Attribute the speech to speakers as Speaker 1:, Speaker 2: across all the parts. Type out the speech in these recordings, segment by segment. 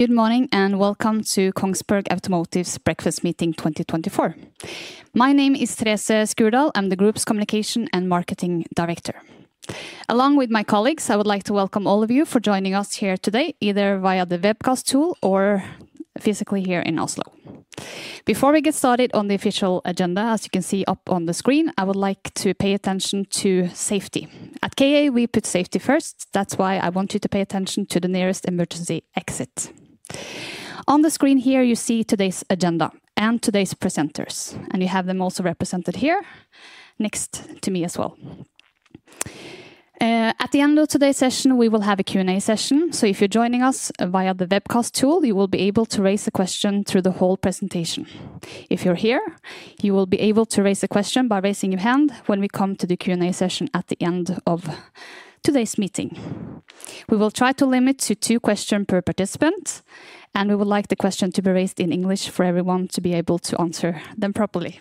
Speaker 1: Good morning and welcome to Kongsberg Automotive's breakfast meeting 2024. My name is Therese Skurdal. I'm the Group's Communication and Marketing Director. Along with my colleagues, I would like to welcome all of you for joining us here today, either via the webcast tool or physically here in Oslo. Before we get started on the official agenda, as you can see up on the screen, I would like to pay attention to safety. At KA, we put safety first. That's why I want you to pay attention to the nearest emergency exit. On the screen here, you see today's agenda and today's presenters, and you have them also represented here next to me as well. At the end of today's session, we will have a Q&A session. So if you're joining us via the webcast tool, you will be able to raise a question through the whole presentation. If you're here, you will be able to raise a question by raising your hand when we come to the Q&A session at the end of today's meeting. We will try to limit to two questions per participant, and we would like the question to be raised in English for everyone to be able to answer them properly.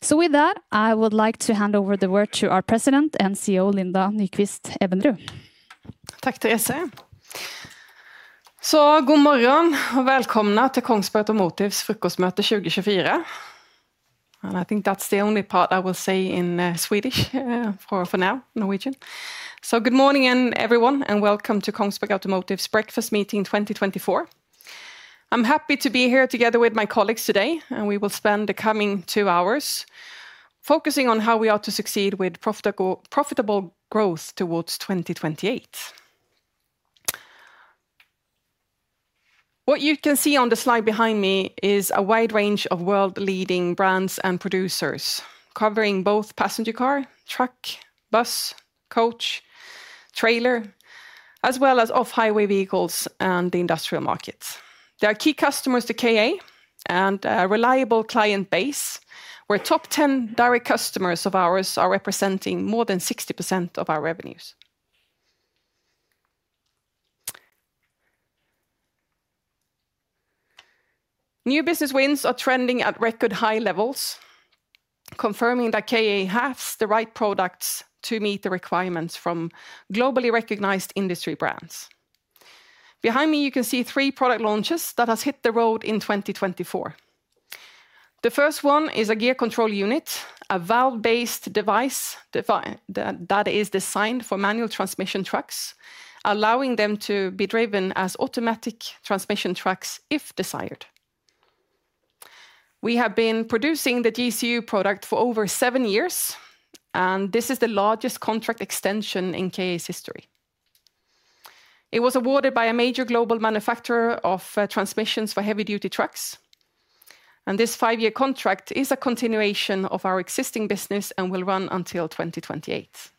Speaker 1: So with that, I would like to hand over the word to our President and CEO, Linda Nyquist-Evenrud.
Speaker 2: Tack, Therese. Så god morgon och välkomna till Kongsberg Automotive's frukostmöte 2024. And I think that's the only part I will say in Swedish for now, Norwegian. So good morning everyone and welcome to Kongsberg Automotive's breakfast meeting 2024. I'm happy to be here together with my colleagues today, and we will spend the coming two hours focusing on how we are to succeed with profitable growth towards 2028. What you can see on the slide behind me is a wide range of world-leading brands and producers covering both passenger car, truck, bus, coach, trailer, as well as off-highway vehicles and the industrial markets. They are key customers to KA and a reliable client base where top 10 direct customers of ours are representing more than 60% of our revenues. New business wins are trending at record high levels, confirming that KA has the right products to meet the requirements from globally recognized industry brands. Behind me, you can see three product launches that have hit the road in 2024. The first one is a gear control unit, a valve-based device that is designed for manual transmission trucks, allowing them to be driven as automatic transmission trucks if desired. We have been producing the GCU product for over seven years, and this is the largest contract extension in KA's history. It was awarded by a major global manufacturer of transmissions for heavy-duty trucks, and this five-year contract is a continuation of our existing business and will run until 2028.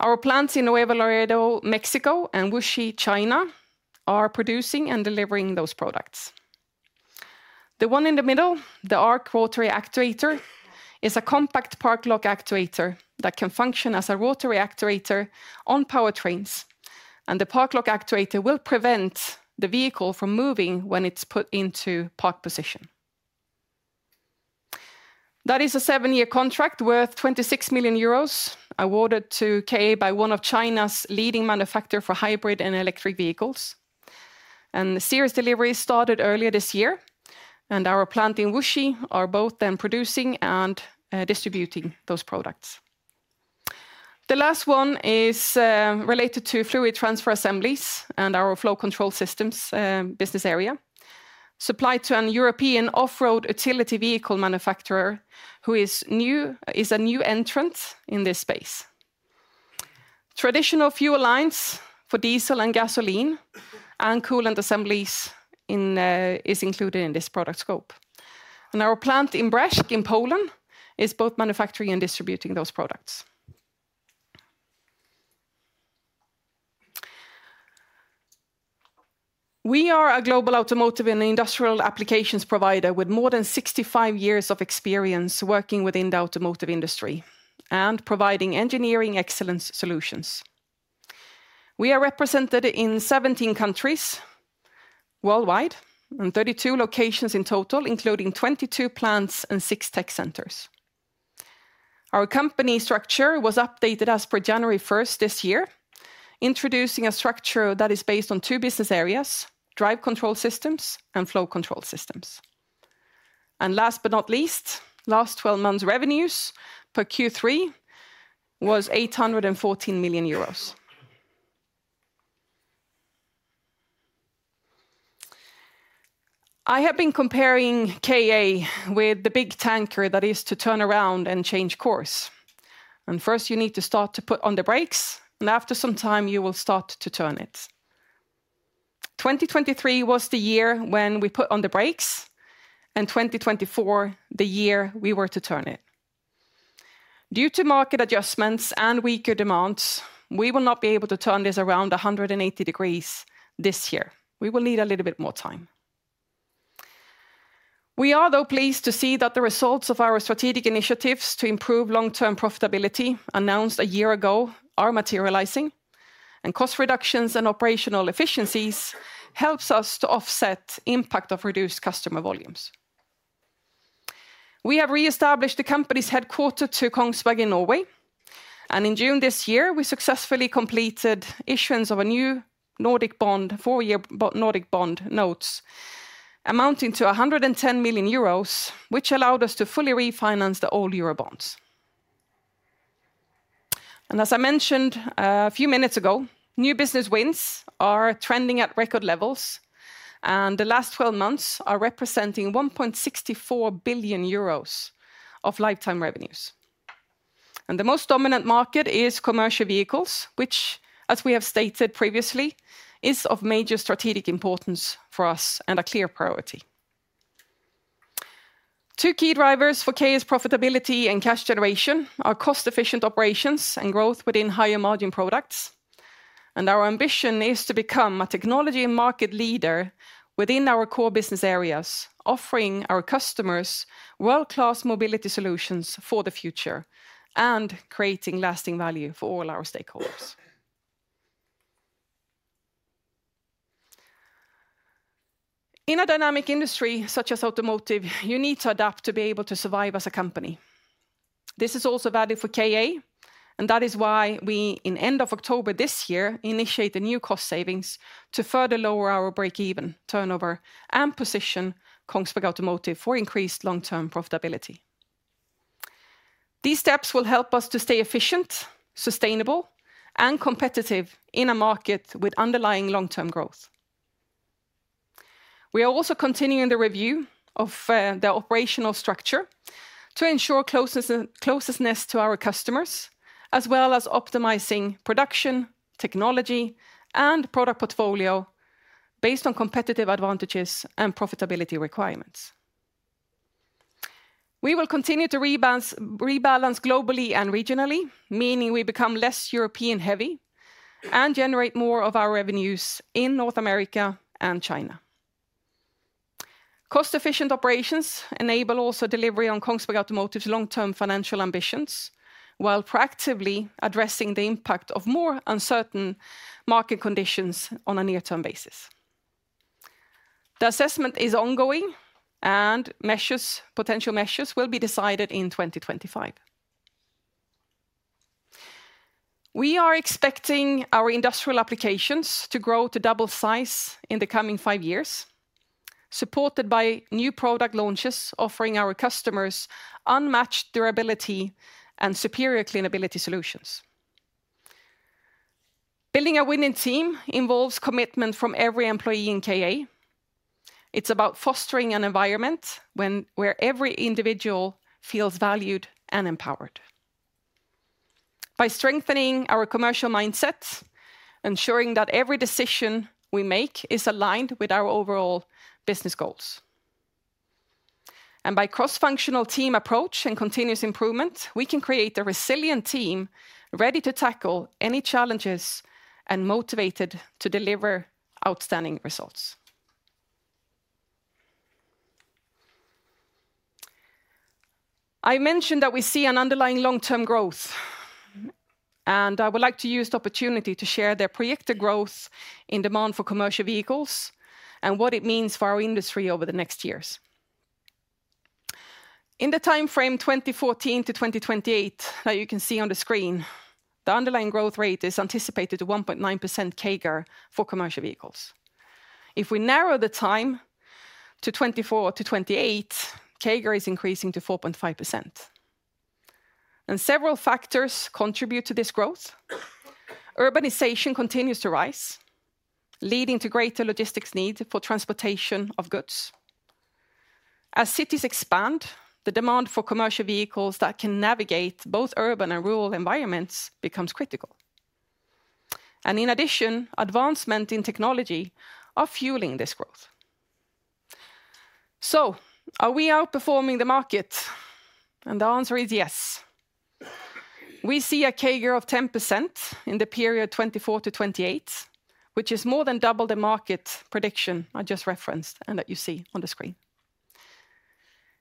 Speaker 2: Our plants in Nuevo Laredo, Mexico, and Wuxi, China, are producing and delivering those products. The one in the middle, the ARC Rotary actuator, is a compact park lock actuator that can function as a rotary actuator on powertrains, and the park lock actuator will prevent the vehicle from moving when it's put into park position. That is a seven-year contract worth 26 million euros awarded to KA by one of China's leading manufacturers for hybrid and electric vehicles, and the series delivery started earlier this year, and our plant in Brześć Kujawski in Poland is both producing and distributing those products. The last one is related to fluid transfer assemblies and our Flow Control Systems business area, supplied to a European off-road utility vehicle manufacturer who is a new entrant in this space. Traditional fuel lines for diesel and gasoline and coolant assemblies are included in this product scope, and our plant in Brześć Kujawski in Poland is both manufacturing and distributing those products. We are a global automotive and industrial applications provider with more than 65 years of experience working within the automotive industry and providing engineering excellence solutions. We are represented in 17 countries worldwide and 32 locations in total, including 22 plants and six tech centers. Our company structure was updated as per January 1st this year, introducing a structure that is based on two business areas: Drive Control Systems and Flow Control Systems, and last but not least, last 12 months' revenues per Q3 were EUR 814 million. I have been comparing KA with the big tanker that is to turn around and change course, and first, you need to start to put on the brakes, and after some time, you will start to turn it. 2023 was the year when we put on the brakes, and 2024 was the year we were to turn it. Due to market adjustments and weaker demands, we will not be able to turn this around 180 degrees this year. We will need a little bit more time. We are though pleased to see that the results of our strategic initiatives to improve long-term profitability announced a year ago are materializing, and cost reductions and operational efficiencies help us to offset the impact of reduced customer volumes. We have reestablished the company's headquarters to Kongsberg in Norway, and in June this year, we successfully completed issuance of a new Nordic bond, four-year Nordic bond notes amounting to 110 million euros, which allowed us to fully refinance the all-year bonds. And as I mentioned a few minutes ago, new business wins are trending at record levels, and the last 12 months are representing 1.64 billion euros of lifetime revenues. The most dominant market is commercial vehicles, which, as we have stated previously, is of major strategic importance for us and a clear priority. Two key drivers for KA's profitability and cash generation are cost-efficient operations and growth within higher margin products. Our ambition is to become a technology and market leader within our core business areas, offering our customers world-class mobility solutions for the future and creating lasting value for all our stakeholders. In a dynamic industry such as automotive, you need to adapt to be able to survive as a company. This is also valid for KA, and that is why we, in the end of October this year, initiate a new cost savings to further lower our break-even turnover and position Kongsberg Automotive for increased long-term profitability. These steps will help us to stay efficient, sustainable, and competitive in a market with underlying long-term growth. We are also continuing the review of the operational structure to ensure closeness to our customers, as well as optimizing production, technology, and product portfolio based on competitive advantages and profitability requirements. We will continue to rebalance globally and regionally, meaning we become less European-heavy and generate more of our revenues in North America and China. Cost-efficient operations enable also delivery on Kongsberg Automotive's long-term financial ambitions while proactively addressing the impact of more uncertain market conditions on a near-term basis. The assessment is ongoing, and potential measures will be decided in 2025. We are expecting our industrial applications to grow to double size in the coming five years, supported by new product launches offering our customers unmatched durability and superior cleanability solutions. Building a winning team involves commitment from every employee in KA. It's about fostering an environment where every individual feels valued and empowered. By strengthening our commercial mindset, ensuring that every decision we make is aligned with our overall business goals, and by cross-functional team approach and continuous improvement, we can create a resilient team ready to tackle any challenges and motivated to deliver outstanding results. I mentioned that we see an underlying long-term growth, and I would like to use the opportunity to share the projected growth in demand for commercial vehicles and what it means for our industry over the next years. In the timeframe 2014 to 2028 that you can see on the screen, the underlying growth rate is anticipated to 1.9% CAGR for commercial vehicles. If we narrow the time to 2024 to 2028, CAGR is increasing to 4.5%. Several factors contribute to this growth. Urbanization continues to rise, leading to greater logistics needs for transportation of goods. As cities expand, the demand for commercial vehicles that can navigate both urban and rural environments becomes critical. And in addition, advancements in technology are fueling this growth. So, are we outperforming the market? And the answer is yes. We see a CAGR of 10% in the period 2024 to 2028, which is more than double the market prediction I just referenced and that you see on the screen.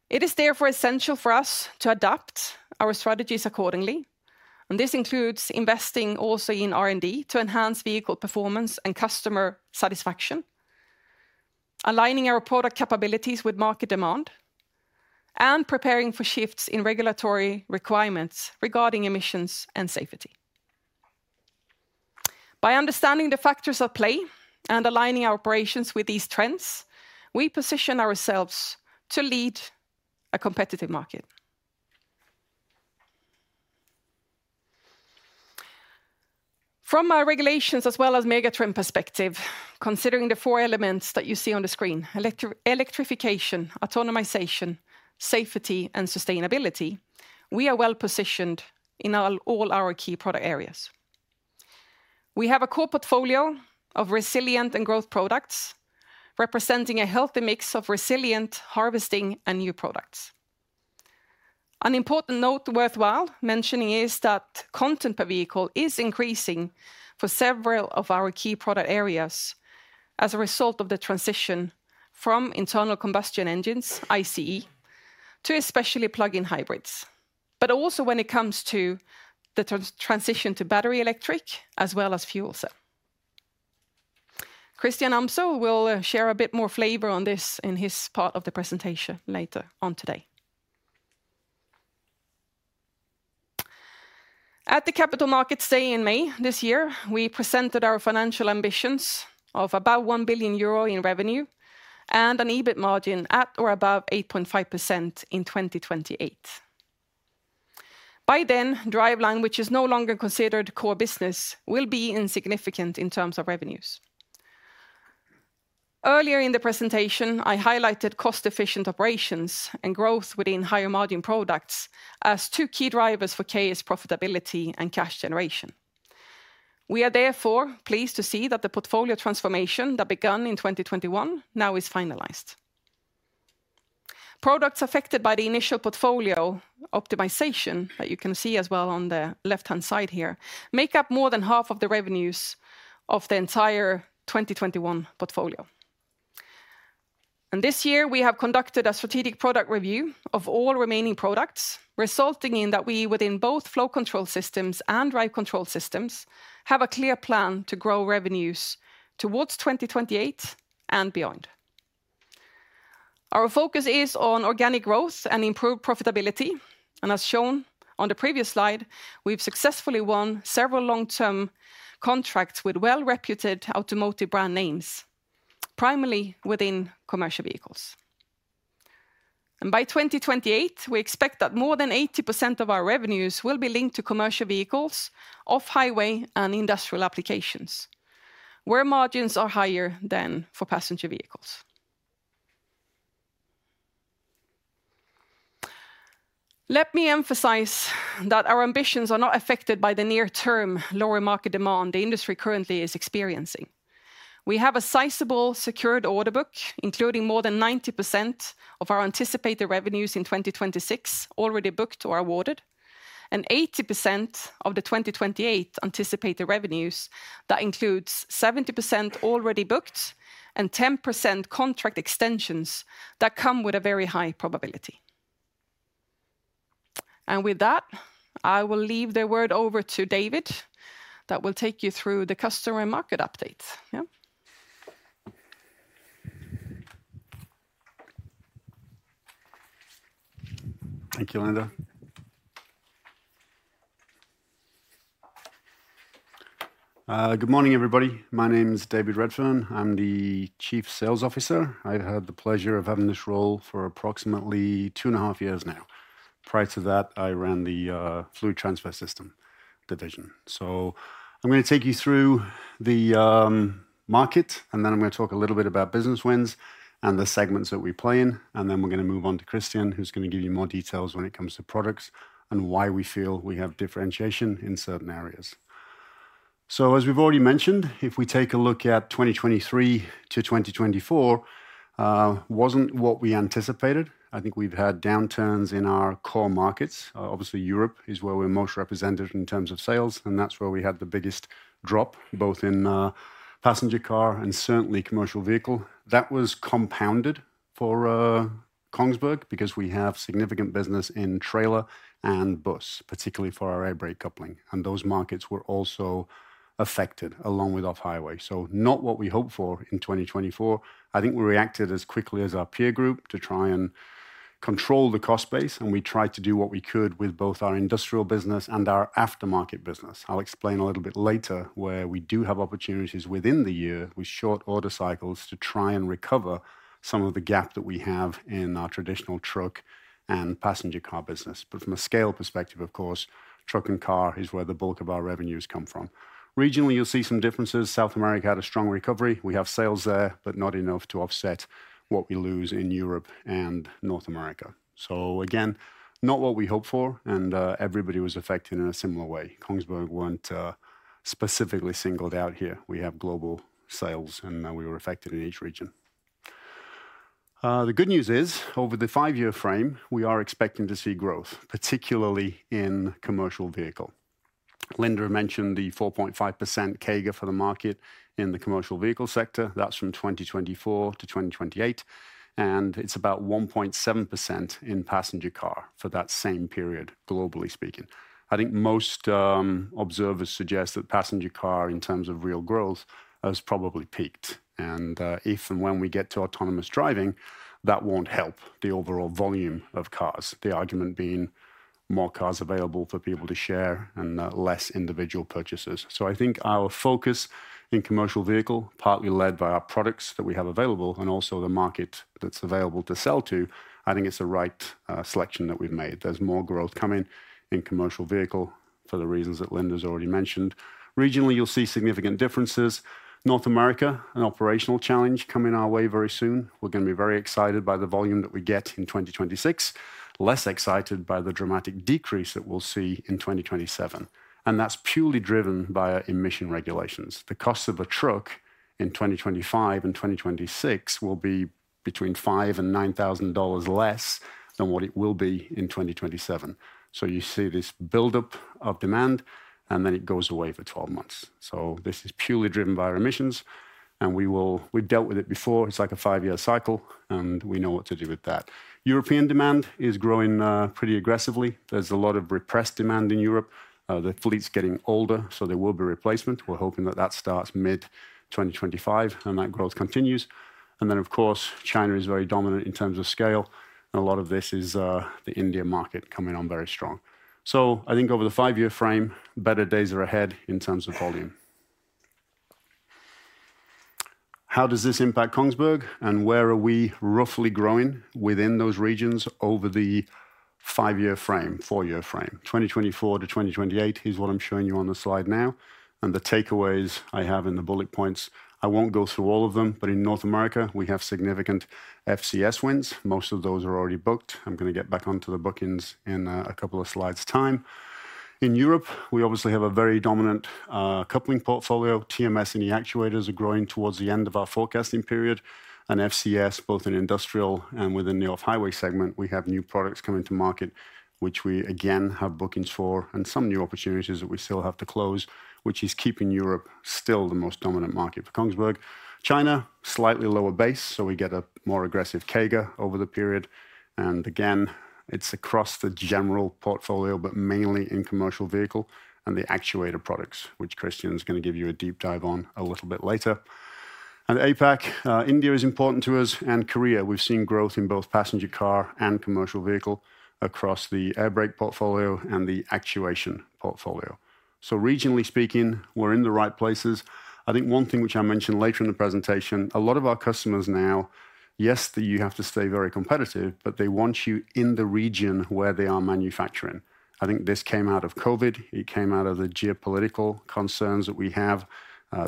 Speaker 2: It is therefore essential for us to adapt our strategies accordingly, and this includes investing also in R&D to enhance vehicle performance and customer satisfaction, aligning our product capabilities with market demand, and preparing for shifts in regulatory requirements regarding emissions and safety. By understanding the factors at play and aligning our operations with these trends, we position ourselves to lead a competitive market. From our regulations as well as megatrend perspective, considering the four elements that you see on the screen, electrification, autonomization, safety, and sustainability, we are well positioned in all our key product areas. We have a core portfolio of resilient and growth products representing a healthy mix of resilient harvesting and new products. An important note worthwhile mentioning is that content per vehicle is increasing for several of our key product areas as a result of the transition from internal combustion engines, ICE, to especially plug-in hybrids, but also when it comes to the transition to battery electric as well as fuel cells. Christian Amsel will share a bit more flavor on this in his part of the presentation later on today. At the capital markets day in May this year, we presented our financial ambitions of about 1 billion euro in revenue and an EBIT margin at or above 8.5% in 2028. By then, Driveline, which is no longer considered core business, will be insignificant in terms of revenues. Earlier in the presentation, I highlighted cost-efficient operations and growth within higher margin products as two key drivers for KA's profitability and cash generation. We are therefore pleased to see that the portfolio transformation that began in 2021 now is finalized. Products affected by the initial portfolio optimization that you can see as well on the left-hand side here make up more than half of the revenues of the entire 2021 portfolio. This year, we have conducted a strategic product review of all remaining products, resulting in that we, within both Flow Control Systems and drive control systems, have a clear plan to grow revenues towards 2028 and beyond. Our focus is on organic growth and improved profitability, and as shown on the previous slide, we've successfully won several long-term contracts with well-reputed automotive brand names, primarily within commercial vehicles. By 2028, we expect that more than 80% of our revenues will be linked to commercial vehicles off-highway and industrial applications, where margins are higher than for passenger vehicles. Let me emphasize that our ambitions are not affected by the near-term lower market demand the industry currently is experiencing. We have a sizable secured order book, including more than 90% of our anticipated revenues in 2026 already booked or awarded, and 80% of the 2028 anticipated revenues that includes 70% already booked and 10% contract extensions that come with a very high probability. And with that, I will leave the word over to David that will take you through the customer and market updates.
Speaker 3: Thank you Linda. Good morning, everybody. My name is David Redfearn. I'm the Chief Sales Officer. I've had the pleasure of having this role for approximately two and a half years now. Prior to that, I ran the fluid transfer system division. So I'm going to take you through the market, and then I'm going to talk a little bit about business wins and the segments that we play in. Then we're going to move on to Christian, who's going to give you more details when it comes to products and why we feel we have differentiation in certain areas. So as we've already mentioned, if we take a look at 2023 to 2024, it wasn't what we anticipated. I think we've had downturns in our core markets. Obviously, Europe is where we're most represented in terms of sales, and that's where we had the biggest drop, both in passenger car and certainly commercial vehicle. That was compounded for Kongsberg because we have significant business in trailer and bus, particularly for our air brake coupling. And those markets were also affected along with off-highway. Not what we hoped for in 2024. I think we reacted as quickly as our peer group to try and control the cost base, and we tried to do what we could with both our industrial business and our aftermarket business. I'll explain a little bit later where we do have opportunities within the year with short order cycles to try and recover some of the gap that we have in our traditional truck and passenger car business. But from a scale perspective, of course, truck and car is where the bulk of our revenues come from. Regionally, you'll see some differences. South America had a strong recovery. We have sales there, but not enough to offset what we lose in Europe and North America. So again, not what we hoped for, and everybody was affected in a similar way. Kongsberg weren't specifically singled out here. We have global sales, and we were affected in each region. The good news is, over the five-year frame, we are expecting to see growth, particularly in commercial vehicles. Linda mentioned the 4.5% CAGR for the market in the commercial vehicle sector. That's from 2024 to 2028, and it's about 1.7% in passenger car for that same period, globally speaking. I think most observers suggest that passenger car, in terms of real growth, has probably peaked, and if and when we get to autonomous driving, that won't help the overall volume of cars, the argument being more cars available for people to share and less individual purchases, so I think our focus in commercial vehicles, partly led by our products that we have available and also the market that's available to sell to, I think it's the right selection that we've made. There's more growth coming in commercial vehicles for the reasons that Linda has already mentioned. Regionally, you'll see significant differences. North America, an operational challenge coming our way very soon. We're going to be very excited by the volume that we get in 2026, less excited by the dramatic decrease that we'll see in 2027, and that's purely driven by emission regulations. The cost of a truck in 2025 and 2026 will be between $5,000 and $9,000 less than what it will be in 2027, so you see this buildup of demand, and then it goes away for 12 months, so this is purely driven by our emissions, and we've dealt with it before. It's like a five-year cycle, and we know what to do with that. European demand is growing pretty aggressively. There's a lot of repressed demand in Europe. The fleet's getting older, so there will be replacement. We're hoping that that starts mid-2025 and that growth continues. And then, of course, China is very dominant in terms of scale, and a lot of this is the India market coming on very strong. So I think over the five-year frame, better days are ahead in terms of volume. How does this impact Kongsberg, and where are we roughly growing within those regions over the five-year frame, four-year frame? 2024-2028 is what I'm showing you on the slide now, and the takeaways I have in the bullet points. I won't go through all of them, but in North America, we have significant FCS wins. Most of those are already booked. I'm going to get back onto the bookings in a couple of slides' time. In Europe, we obviously have a very dominant coupling portfolio.
Speaker 2: TMS and e-Actuators are growing towards the end of our forecasting period, and FCS, both in industrial and within the off-highway segment, we have new products coming to market, which we again have bookings for, and some new opportunities that we still have to close, which is keeping Europe still the most dominant market for Kongsberg. China, slightly lower base, so we get a more aggressive CAGR over the period. And again, it's across the general portfolio, but mainly in commercial vehicle and the actuator products, which Christian is going to give you a deep dive on a little bit later. And APAC, India is important to us, and Korea. We've seen growth in both passenger car and commercial vehicle across the air brake portfolio and the actuation portfolio. So regionally speaking, we're in the right places. I think one thing which I mentioned later in the presentation, a lot of our customers now, yes, you have to stay very competitive, but they want you in the region where they are manufacturing. I think this came out of COVID. It came out of the geopolitical concerns that we have,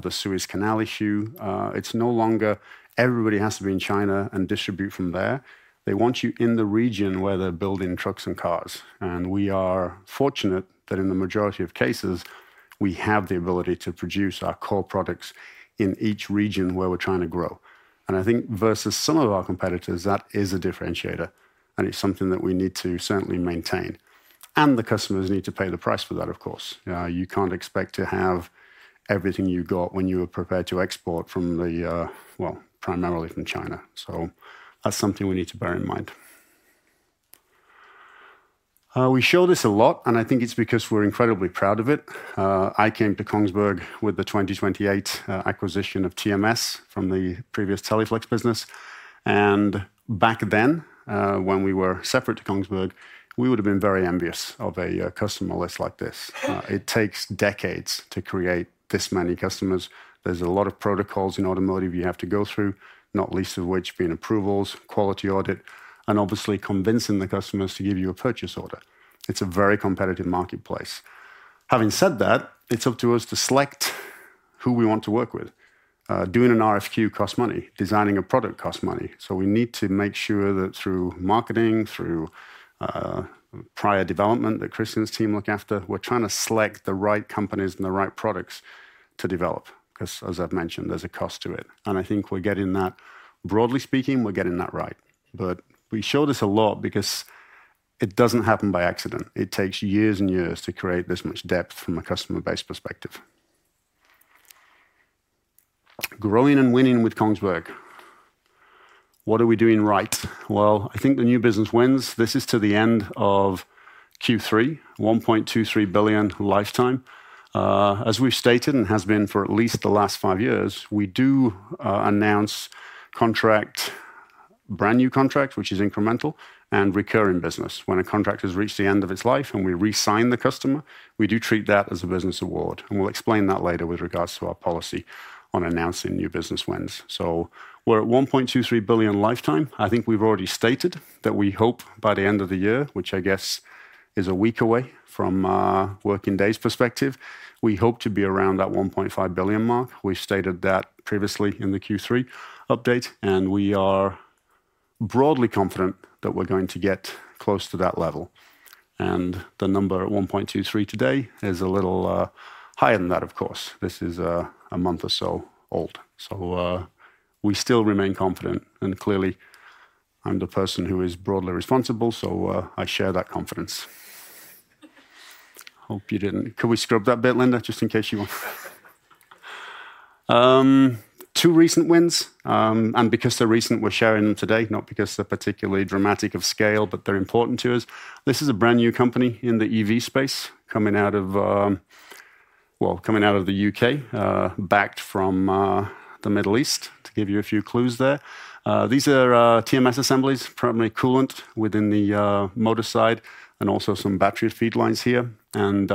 Speaker 2: the Suez Canal issue. It's no longer everybody has to be in China and distribute from there. They want you in the region where they're building trucks and cars. And we are fortunate that in the majority of cases, we have the ability to produce our core products in each region where we're trying to grow. And I think versus some of our competitors, that is a differentiator, and it's something that we need to certainly maintain. And the customers need to pay the price for that, of course. You can't expect to have everything you got when you were prepared to export from the, well, primarily from China. So that's something we need to bear in mind. We show this a lot, and I think it's because we're incredibly proud of it. I came to Kongsberg with the 2018 acquisition of TMS from the previous Teleflex business. And back then, when we were separate to Kongsberg, we would have been very envious of a customer list like this. It takes decades to create this many customers. There's a lot of protocols in automotive you have to go through, not least of which being approvals, quality audit, and obviously convincing the customers to give you a purchase order. It's a very competitive marketplace. Having said that, it's up to us to select who we want to work with. Doing an RFQ costs money. Designing a product costs money. We need to make sure that through marketing, through prior development that Christian's team look after, we're trying to select the right companies and the right products to develop because, as I've mentioned, there's a cost to it. And I think we're getting that, broadly speaking, we're getting that right. But we show this a lot because it doesn't happen by accident. It takes years and years to create this much depth from a customer-based perspective. Growing and winning with Kongsberg. What are we doing right? Well, I think the new business wins. This is to the end of Q3, 1.23 billion lifetime. As we've stated and has been for at least the last five years, we do announce contract, brand new contract, which is incremental, and recurring business. When a contract has reached the end of its life and we re-sign the customer, we do treat that as a business award. And we'll explain that later with regards to our policy on announcing new business wins. So we're at 1.23 billion lifetime. I think we've already stated that we hope by the end of the year, which I guess is a week away from working days perspective, we hope to be around that 1.5 billion mark. We've stated that previously in the Q3 update, and we are broadly confident that we're going to get close to that level. And the number at 1.23 today is a little higher than that, of course. This is a month or so old. So we still remain confident, and clearly, I'm the person who is broadly responsible, so I share that confidence. Hope you didn't. Could we scrub that bit, Linda, just in case you want? Two recent wins, and because they're recent, we're sharing them today, not because they're particularly dramatic of scale, but they're important to us. This is a brand new company in the EV space coming out of, well, coming out of the UK, backed from the Middle East, to give you a few clues there. These are TMS assemblies, primarily coolant within the motor side, and also some battery feed lines here, and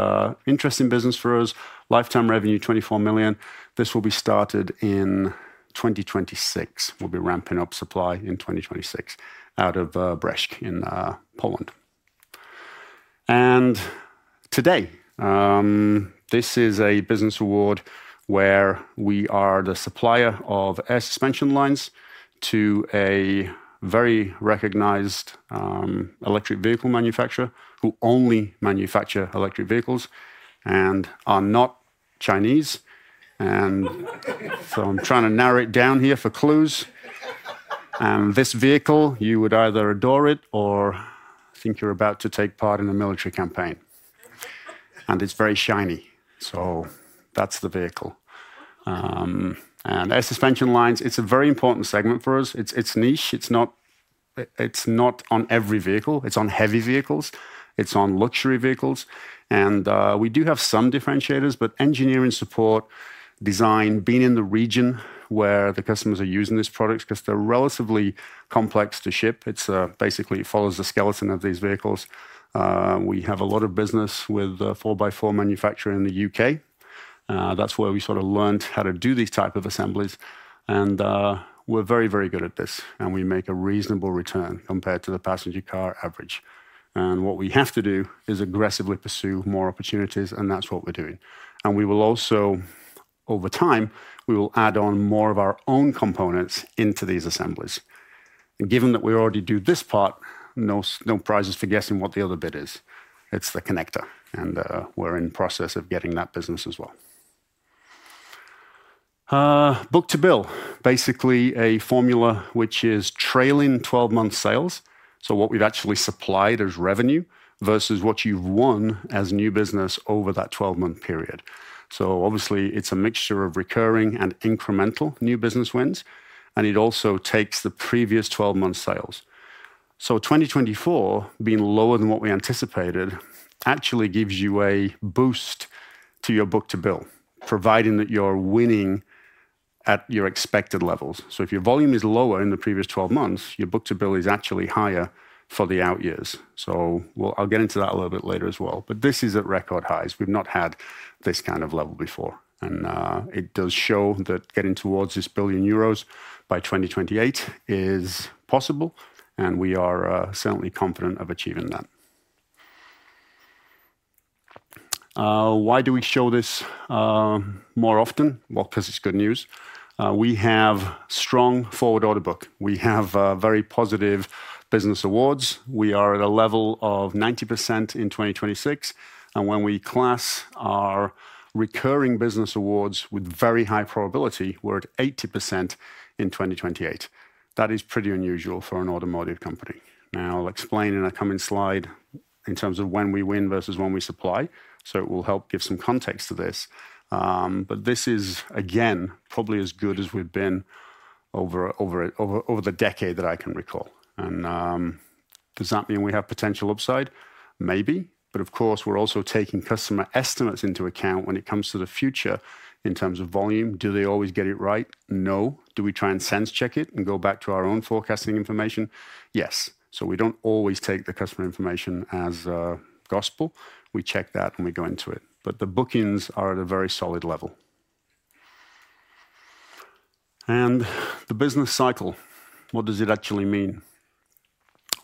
Speaker 2: interesting business for us, lifetime revenue, 24 million. This will be started in 2026. We'll be ramping up supply in 2026 out of Brześć Kujawski in Poland, and today, this is a business award where we are the supplier of air suspension lines to a very recognized electric vehicle manufacturer who only manufactures electric vehicles and are not Chinese. I'm trying to narrow it down here for clues. This vehicle, you would either adore it or think you're about to take part in a military campaign. It's very shiny. That's the vehicle. Air suspension lines, it's a very important segment for us. It's niche. It's not on every vehicle. It's on heavy vehicles. It's on luxury vehicles. We do have some differentiators, but engineering support, design, being in the region where the customers are using these products because they're relatively complex to ship. It's basically it follows the skeleton of these vehicles. We have a lot of business with the four-by-four manufacturer in the UK. That's where we sort of learned how to do these types of assemblies. We're very, very good at this, and we make a reasonable return compared to the passenger car average. And what we have to do is aggressively pursue more opportunities, and that's what we're doing. And we will also, over time, we will add on more of our own components into these assemblies. And given that we already do this part, no prizes for guessing what the other bit is. It's the connector, and we're in the process of getting that business as well. Book-to-bill, basically a formula which is trailing 12-month sales. So what we've actually supplied as revenue versus what you've won as new business over that 12-month period. So obviously, it's a mixture of recurring and incremental new business wins, and it also takes the previous 12-month sales. So 2024, being lower than what we anticipated, actually gives you a boost to your book-to-bill, providing that you're winning at your expected levels. So if your volume is lower in the previous 12 months, your book-to-bill is actually higher for the out years. So I'll get into that a little bit later as well. But this is at record highs. We've not had this kind of level before. And it does show that getting towards this 1 billion euros by 2028 is possible, and we are certainly confident of achieving that. Why do we show this more often? Well, because it's good news. We have strong forward order book. We have very positive business awards. We are at a level of 90% in 2026. And when we class our recurring business awards with very high probability, we're at 80% in 2028. That is pretty unusual for an automotive company. Now, I'll explain in a coming slide in terms of when we win versus when we supply. So it will help give some context to this. But this is, again, probably as good as we've been over the decade that I can recall. And does that mean we have potential upside? Maybe. But of course, we're also taking customer estimates into account when it comes to the future in terms of volume. Do they always get it right? No. Do we try and sense-check it and go back to our own forecasting information? Yes. So we don't always take the customer information as gospel. We check that and we go into it. But the bookings are at a very solid level. And the business cycle, what does it actually mean?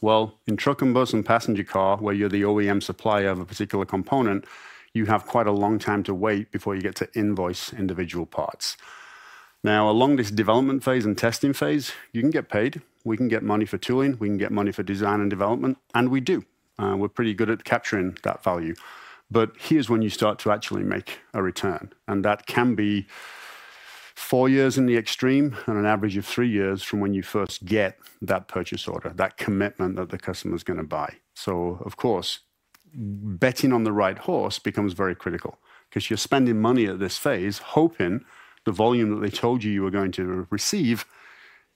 Speaker 2: Well, in truck and bus and passenger car, where you're the OEM supplier of a particular component, you have quite a long time to wait before you get to invoice individual parts. Now, along this development phase and testing phase, you can get paid. We can get money for tooling. We can get money for design and development, and we do. We're pretty good at capturing that value. But here's when you start to actually make a return. And that can be four years in the extreme and an average of three years from when you first get that purchase order, that commitment that the customer is going to buy. So, of course, betting on the right horse becomes very critical because you're spending money at this phase hoping the volume that they told you you were going to receive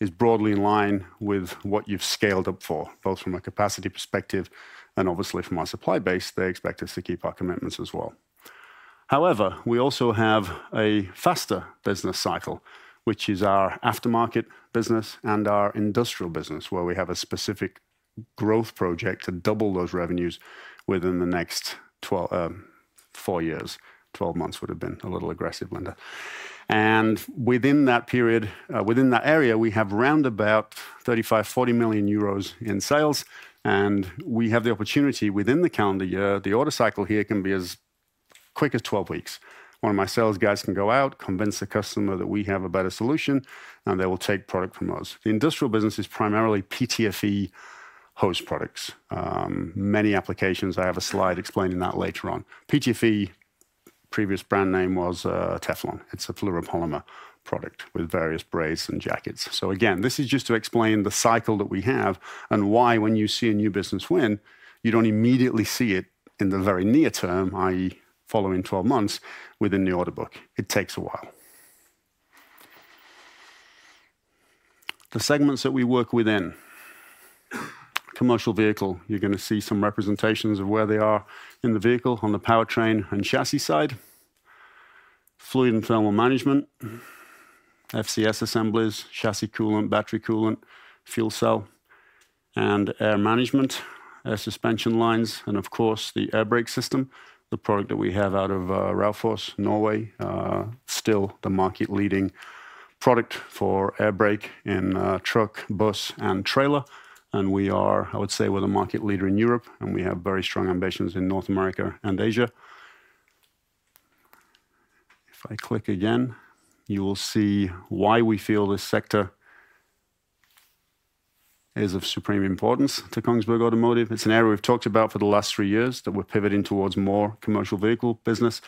Speaker 2: is broadly in line with what you've scaled up for, both from a capacity perspective and obviously from our supply base. They expect us to keep our commitments as well. However, we also have a faster business cycle, which is our aftermarket business and our industrial business, where we have a specific growth project to double those revenues within the next four years. 12 months would have been a little aggressive, Linda. Within that period, within that area, we have round about EUR 35million-40 million in sales. We have the opportunity within the calendar year. The order cycle here can be as quick as 12 weeks. One of my sales guys can go out, convince the customer that we have a better solution, and they will take product from us. The industrial business is primarily PTFE hose products. Many applications. I have a slide explaining that later on. PTFE, previous brand name was Teflon. It's a fluoropolymer product with various braids and jackets. So again, this is just to explain the cycle that we have and why when you see a new business win, you don't immediately see it in the very near term, i.e., following 12 months within the order book. It takes a while. The segments that we work within commercial vehicle, you're going to see some representations of where they are in the vehicle on the powertrain and chassis side. Fluid and thermal management, FCS assemblies, chassis coolant, battery coolant, fuel cell, and air management, air suspension lines, and of course, the air brake system, the product that we have out of Raufoss, Norway, still the market-leading product for air brake in truck, bus, and trailer. And we are, I would say, we're the market leader in Europe, and we have very strong ambitions in North America and Asia. If I click again, you will see why we feel this sector is of supreme importance to Kongsberg Automotive. It's an area we've talked about for the last three years that we're pivoting towards more commercial vehicle business.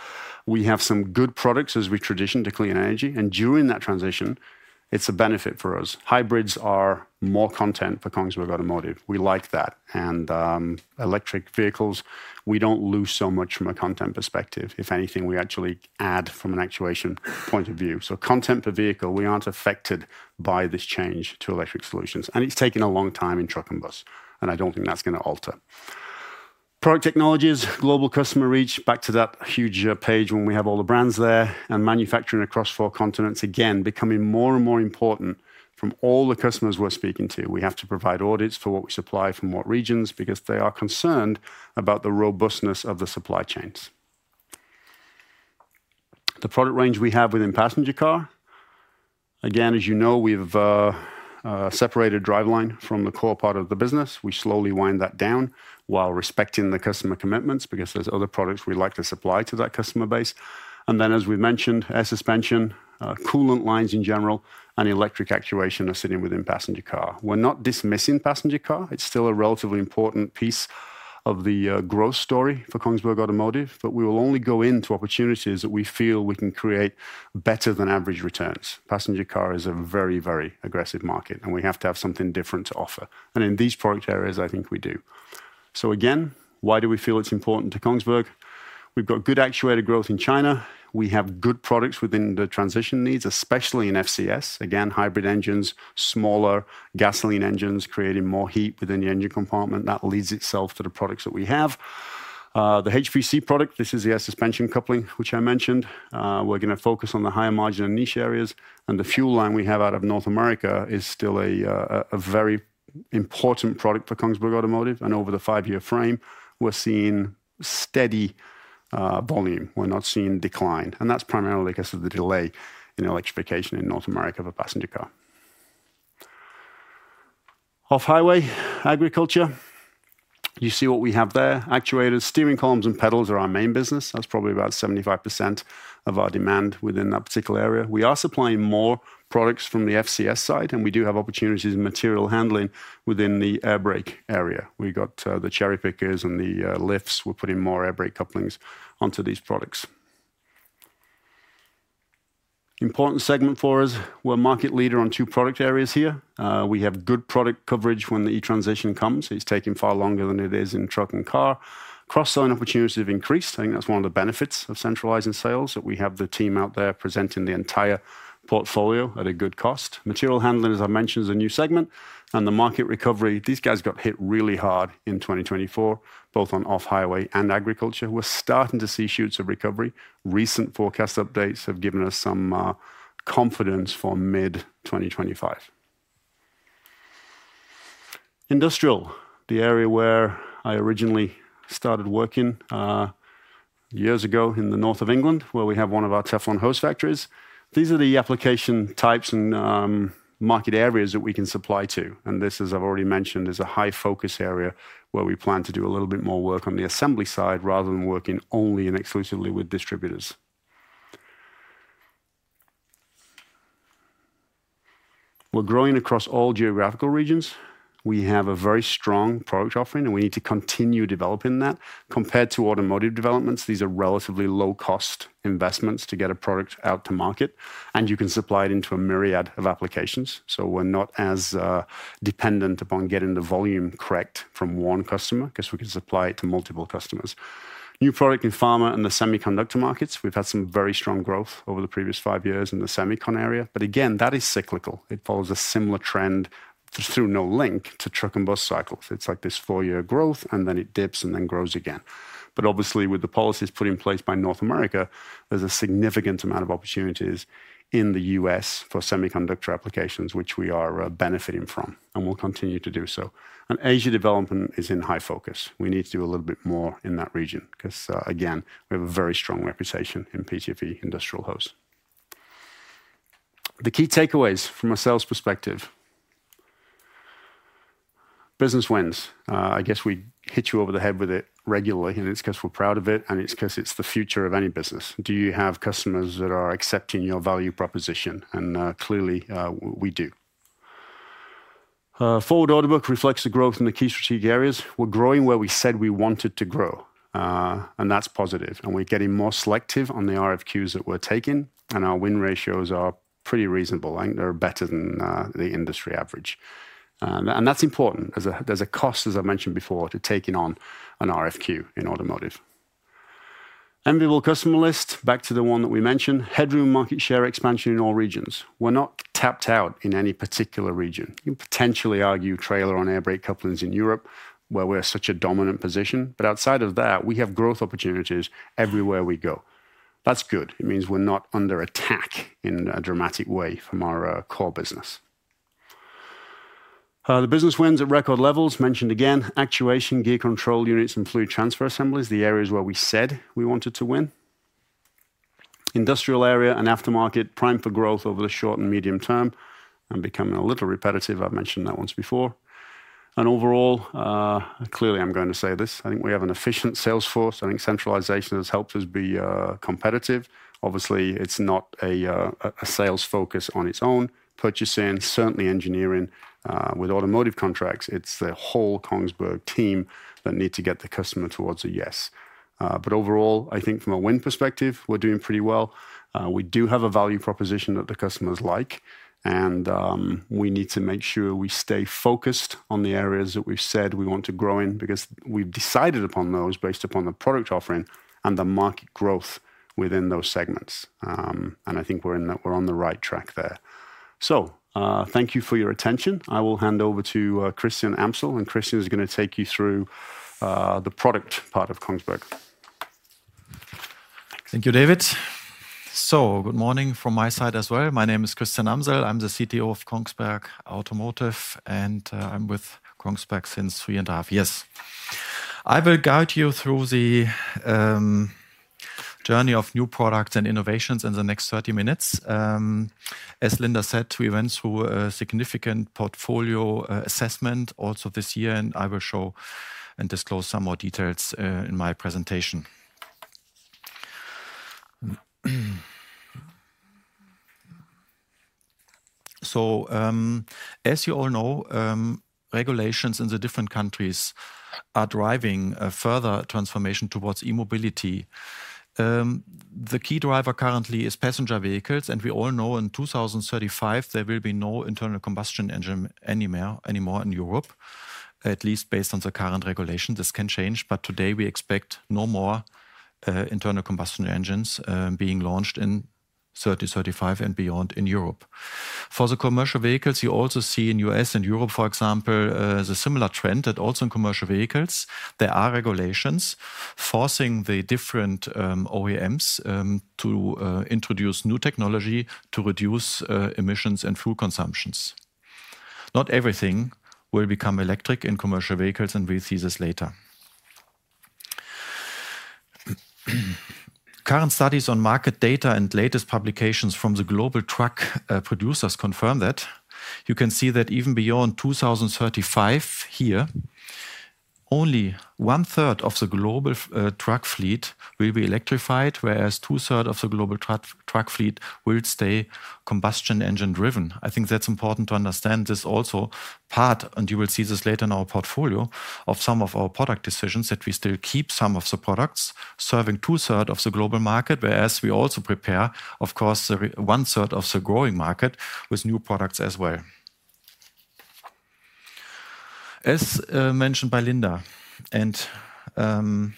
Speaker 2: We have some good products as we transition to clean energy. And during that transition, it's a benefit for us. Hybrids are more content for Kongsberg Automotive. We like that. And electric vehicles, we don't lose so much from a content perspective. If anything, we actually add from an actuation point of view. So content per vehicle, we aren't affected by this change to electric solutions. And it's taken a long time in truck and bus. And I don't think that's going to alter. Product technologies, global customer reach, back to that huge page when we have all the brands there and manufacturing across four continents, again, becoming more and more important from all the customers we're speaking to. We have to provide audits for what we supply from what regions because they are concerned about the robustness of the supply chains. The product range we have within passenger car, again, as you know, we've separated driveline from the core part of the business. We slowly wind that down while respecting the customer commitments because there's other products we like to supply to that customer base. And then, as we mentioned, air suspension, coolant lines in general, and electric actuation are sitting within passenger car. We're not dismissing passenger car. It's still a relatively important piece of the growth story for Kongsberg Automotive, but we will only go into opportunities that we feel we can create better than average returns. Passenger car is a very, very aggressive market, and we have to have something different to offer, and in these product areas, I think we do. So again, why do we feel it's important to Kongsberg? We've got good actuator growth in China. We have good products within the transition needs, especially in FCS. Again, hybrid engines, smaller gasoline engines creating more heat within the engine compartment. That lends itself to the products that we have. The HPC product, this is the air suspension coupling, which I mentioned. We're going to focus on the higher margin and niche areas, and the fuel line we have out of North America is still a very important product for Kongsberg Automotive. Over the five-year frame, we're seeing steady volume. We're not seeing decline. That's primarily because of the delay in electrification in North America for passenger car. Off-highway agriculture, you see what we have there. Actuators, steering columns, and pedals are our main business. That's probably about 75% of our demand within that particular area. We are supplying more products from the FCS side, and we do have opportunities in material handling within the air brake area. We've got the cherry pickers and the lifts. We're putting more air brake couplings onto these products. Important segment for us. We're a market leader on two product areas here. We have good product coverage when the e-transition comes. It's taking far longer than it is in truck and car. Cross-selling opportunities have increased. I think that's one of the benefits of centralizing sales, that we have the team out there presenting the entire portfolio at a good cost. Material handling, as I mentioned, is a new segment. And the market recovery, these guys got hit really hard in 2024, both on off-highway and agriculture. We're starting to see shoots of recovery. Recent forecast updates have given us some confidence for mid-2025. Industrial, the area where I originally started working years ago in the north of England, where we have one of our Teflon hose factories. These are the application types and market areas that we can supply to. And this, as I've already mentioned, is a high-focus area where we plan to do a little bit more work on the assembly side rather than working only and exclusively with distributors. We're growing across all geographical regions. We have a very strong product offering, and we need to continue developing that. Compared to automotive developments, these are relatively low-cost investments to get a product out to market. And you can supply it into a myriad of applications. So we're not as dependent upon getting the volume correct from one customer because we can supply it to multiple customers. New product in pharma and the semiconductor markets. We've had some very strong growth over the previous five years in the semicon area. But again, that is cyclical. It follows a similar trend through no link to truck and bus cycles. It's like this four-year growth, and then it dips and then grows again. But obviously, with the policies put in place by North America, there's a significant amount of opportunities in the U.S. for semiconductor applications, which we are benefiting from, and we'll continue to do so. Asia development is in high focus. We need to do a little bit more in that region because, again, we have a very strong reputation in PTFE industrial hose. The key takeaways from a sales perspective. Business wins. I guess we hit you over the head with it regularly, and it's because we're proud of it, and it's because it's the future of any business. Do you have customers that are accepting your value proposition? Clearly, we do. Forward order book reflects the growth in the key strategic areas. We're growing where we said we wanted to grow, and that's positive. We're getting more selective on the RFQs that we're taking, and our win ratios are pretty reasonable. They're better than the industry average. That's important. There's a cost, as I mentioned before, to taking on an RFQ in automotive. Enviable customer list, back to the one that we mentioned, headroom market share expansion in all regions. We're not tapped out in any particular region. You can potentially argue trailer on air brake couplings in Europe, where we're such a dominant position. But outside of that, we have growth opportunities everywhere we go. That's good. It means we're not under attack in a dramatic way from our core business. The business wins at record levels, mentioned again, actuation, gear control units, and fluid transfer assemblies, the areas where we said we wanted to win. Industrial area and aftermarket, prime for growth over the short and medium term, and becoming a little repetitive. I've mentioned that once before, and overall, clearly, I'm going to say this. I think we have an efficient sales force. I think centralization has helped us be competitive. Obviously, it's not a sales focus on its own. Purchasing, certainly engineering with automotive contracts, it's the whole Kongsberg team that need to get the customer towards a yes. But overall, I think from a win perspective, we're doing pretty well. We do have a value proposition that the customers like, and we need to make sure we stay focused on the areas that we've said we want to grow in because we've decided upon those based upon the product offering and the market growth within those segments. And I think we're on the right track there. So thank you for your attention. I will hand over to Christian Amsel, and Christian is going to take you through the product part of Kongsberg.
Speaker 4: Thank you David. So good morning from my side as well. My name is Christian Amsel. I'm the CTO of Kongsberg Automotive, and I'm with Kongsberg since three and a half years. I will guide you through the journey of new products and innovations in the next 30 minutes. As Linda said, we went through a significant portfolio assessment also this year, and I will show and disclose some more details in my presentation. As you all know, regulations in the different countries are driving further transformation towards e-mobility. The key driver currently is passenger vehicles, and we all know in 2035, there will be no internal combustion engine anymore in Europe, at least based on the current regulation. This can change, but today we expect no more internal combustion engines being launched in 2035 and beyond in Europe. For the commercial vehicles, you also see in the U.S. and Europe, for example, the similar trend that also in commercial vehicles, there are regulations forcing the different OEMs to introduce new technology to reduce emissions and fuel consumptions. Not everything will become electric in commercial vehicles, and we'll see this later. Current studies on market data and latest publications from the global truck producers confirm that. You can see that even beyond 2035 here, only one-third of the global truck fleet will be electrified, whereas two-thirds of the global truck fleet will stay combustion engine-driven. I think that's important to understand this also part, and you will see this later in our portfolio of some of our product decisions that we still keep some of the products serving two-thirds of the global market, whereas we also prepare, of course, one-third of the growing market with new products as well. As mentioned by Linda, and in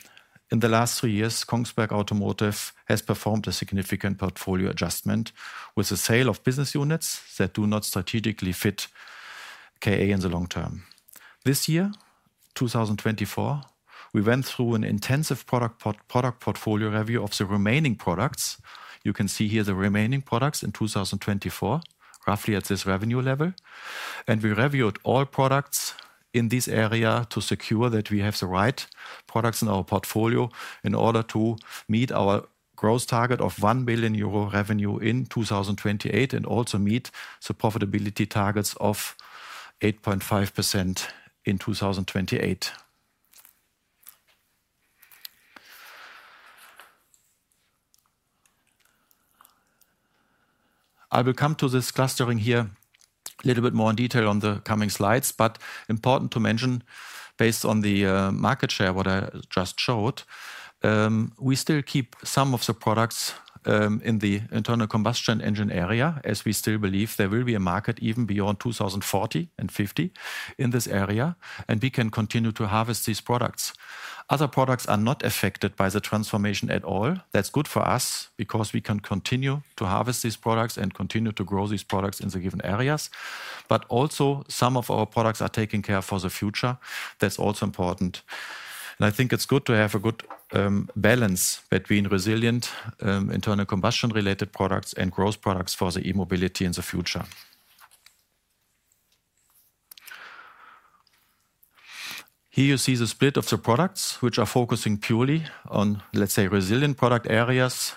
Speaker 4: the last three years, Kongsberg Automotive has performed a significant portfolio adjustment with the sale of business units that do not strategically fit KA in the long term. This year, 2024, we went through an intensive product portfolio review of the remaining products. You can see here the remaining products in 2024, roughly at this revenue level. We reviewed all products in this area to secure that we have the right products in our portfolio in order to meet our growth target of €1 billion revenue in 2028 and also meet the profitability targets of 8.5% in 2028. I will come to this clustering here a little bit more in detail on the coming slides, but important to mention, based on the market share, what I just showed, we still keep some of the products in the internal combustion engine area as we still believe there will be a market even beyond 2040 and 50 in this area, and we can continue to harvest these products. Other products are not affected by the transformation at all. That's good for us because we can continue to harvest these products and continue to grow these products in the given areas. But also some of our products are taking care for the future. That's also important. And I think it's good to have a good balance between resilient internal combustion-related products and growth products for the e-mobility in the future. Here you see the split of the products which are focusing purely on, let's say, resilient product areas.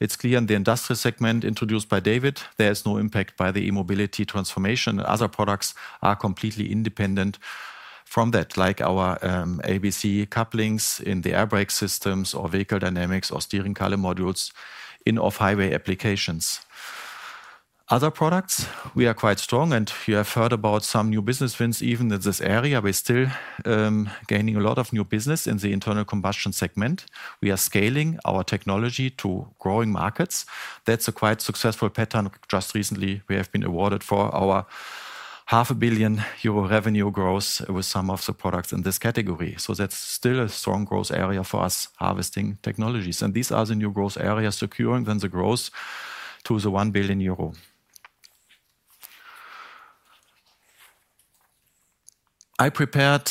Speaker 4: It's clear in the industrial segment introduced by David, there is no impact by the e-mobility transformation. Other products are completely independent from that, like our ABC couplings in the air brake systems or vehicle dynamics or steering column modules in off-highway applications. Other products, we are quite strong, and you have heard about some new business wins even in this area. We're still gaining a lot of new business in the internal combustion segment. We are scaling our technology to growing markets. That's a quite successful pattern. Just recently, we have been awarded for our 500 million euro revenue growth with some of the products in this category. So that's still a strong growth area for us harvesting technologies. And these are the new growth areas securing then the growth to the 1 billion euro. I prepared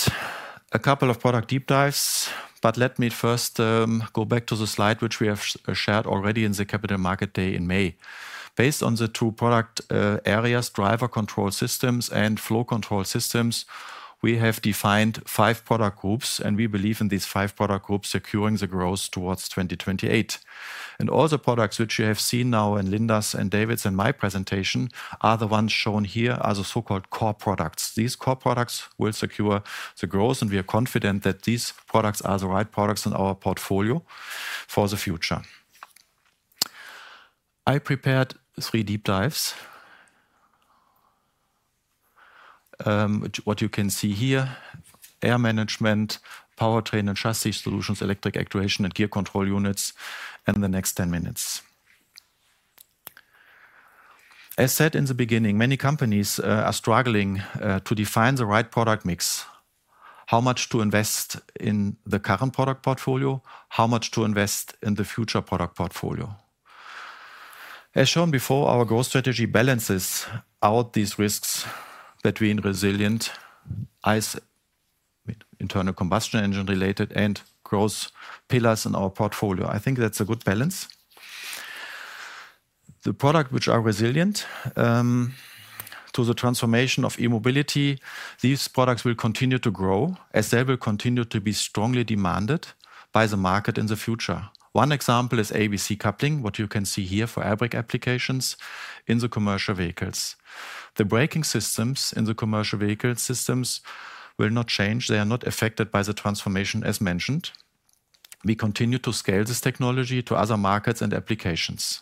Speaker 4: a couple of product deep dives, but let me first go back to the slide which we have shared already in the Capital Markets Day in May. Based on the two product areas, Drive Control Systems and Flow Control Systems, we have defined five product groups, and we believe in these five product groups securing the growth towards 2028. And all the products which you have seen now in Linda's and David's and my presentation are the ones shown here as the so-called core products. These core products will secure the growth, and we are confident that these products are the right products in our portfolio for the future. I prepared three deep dives. What you can see here, air management, powertrain and chassis solutions, electric actuation and gear control units, and the next 10 minutes. As said in the beginning, many companies are struggling to define the right product mix, how much to invest in the current product portfolio, how much to invest in the future product portfolio. As shown before, our growth strategy balances out these risks between resilient as internal combustion engine-related and growth pillars in our portfolio. I think that's a good balance. The product which are resilient to the transformation of e-mobility, these products will continue to grow as they will continue to be strongly demanded by the market in the future. One example is ABC coupling, what you can see here for air brake applications in the commercial vehicles. The braking systems in the commercial vehicle systems will not change. They are not affected by the transformation as mentioned. We continue to scale this technology to other markets and applications.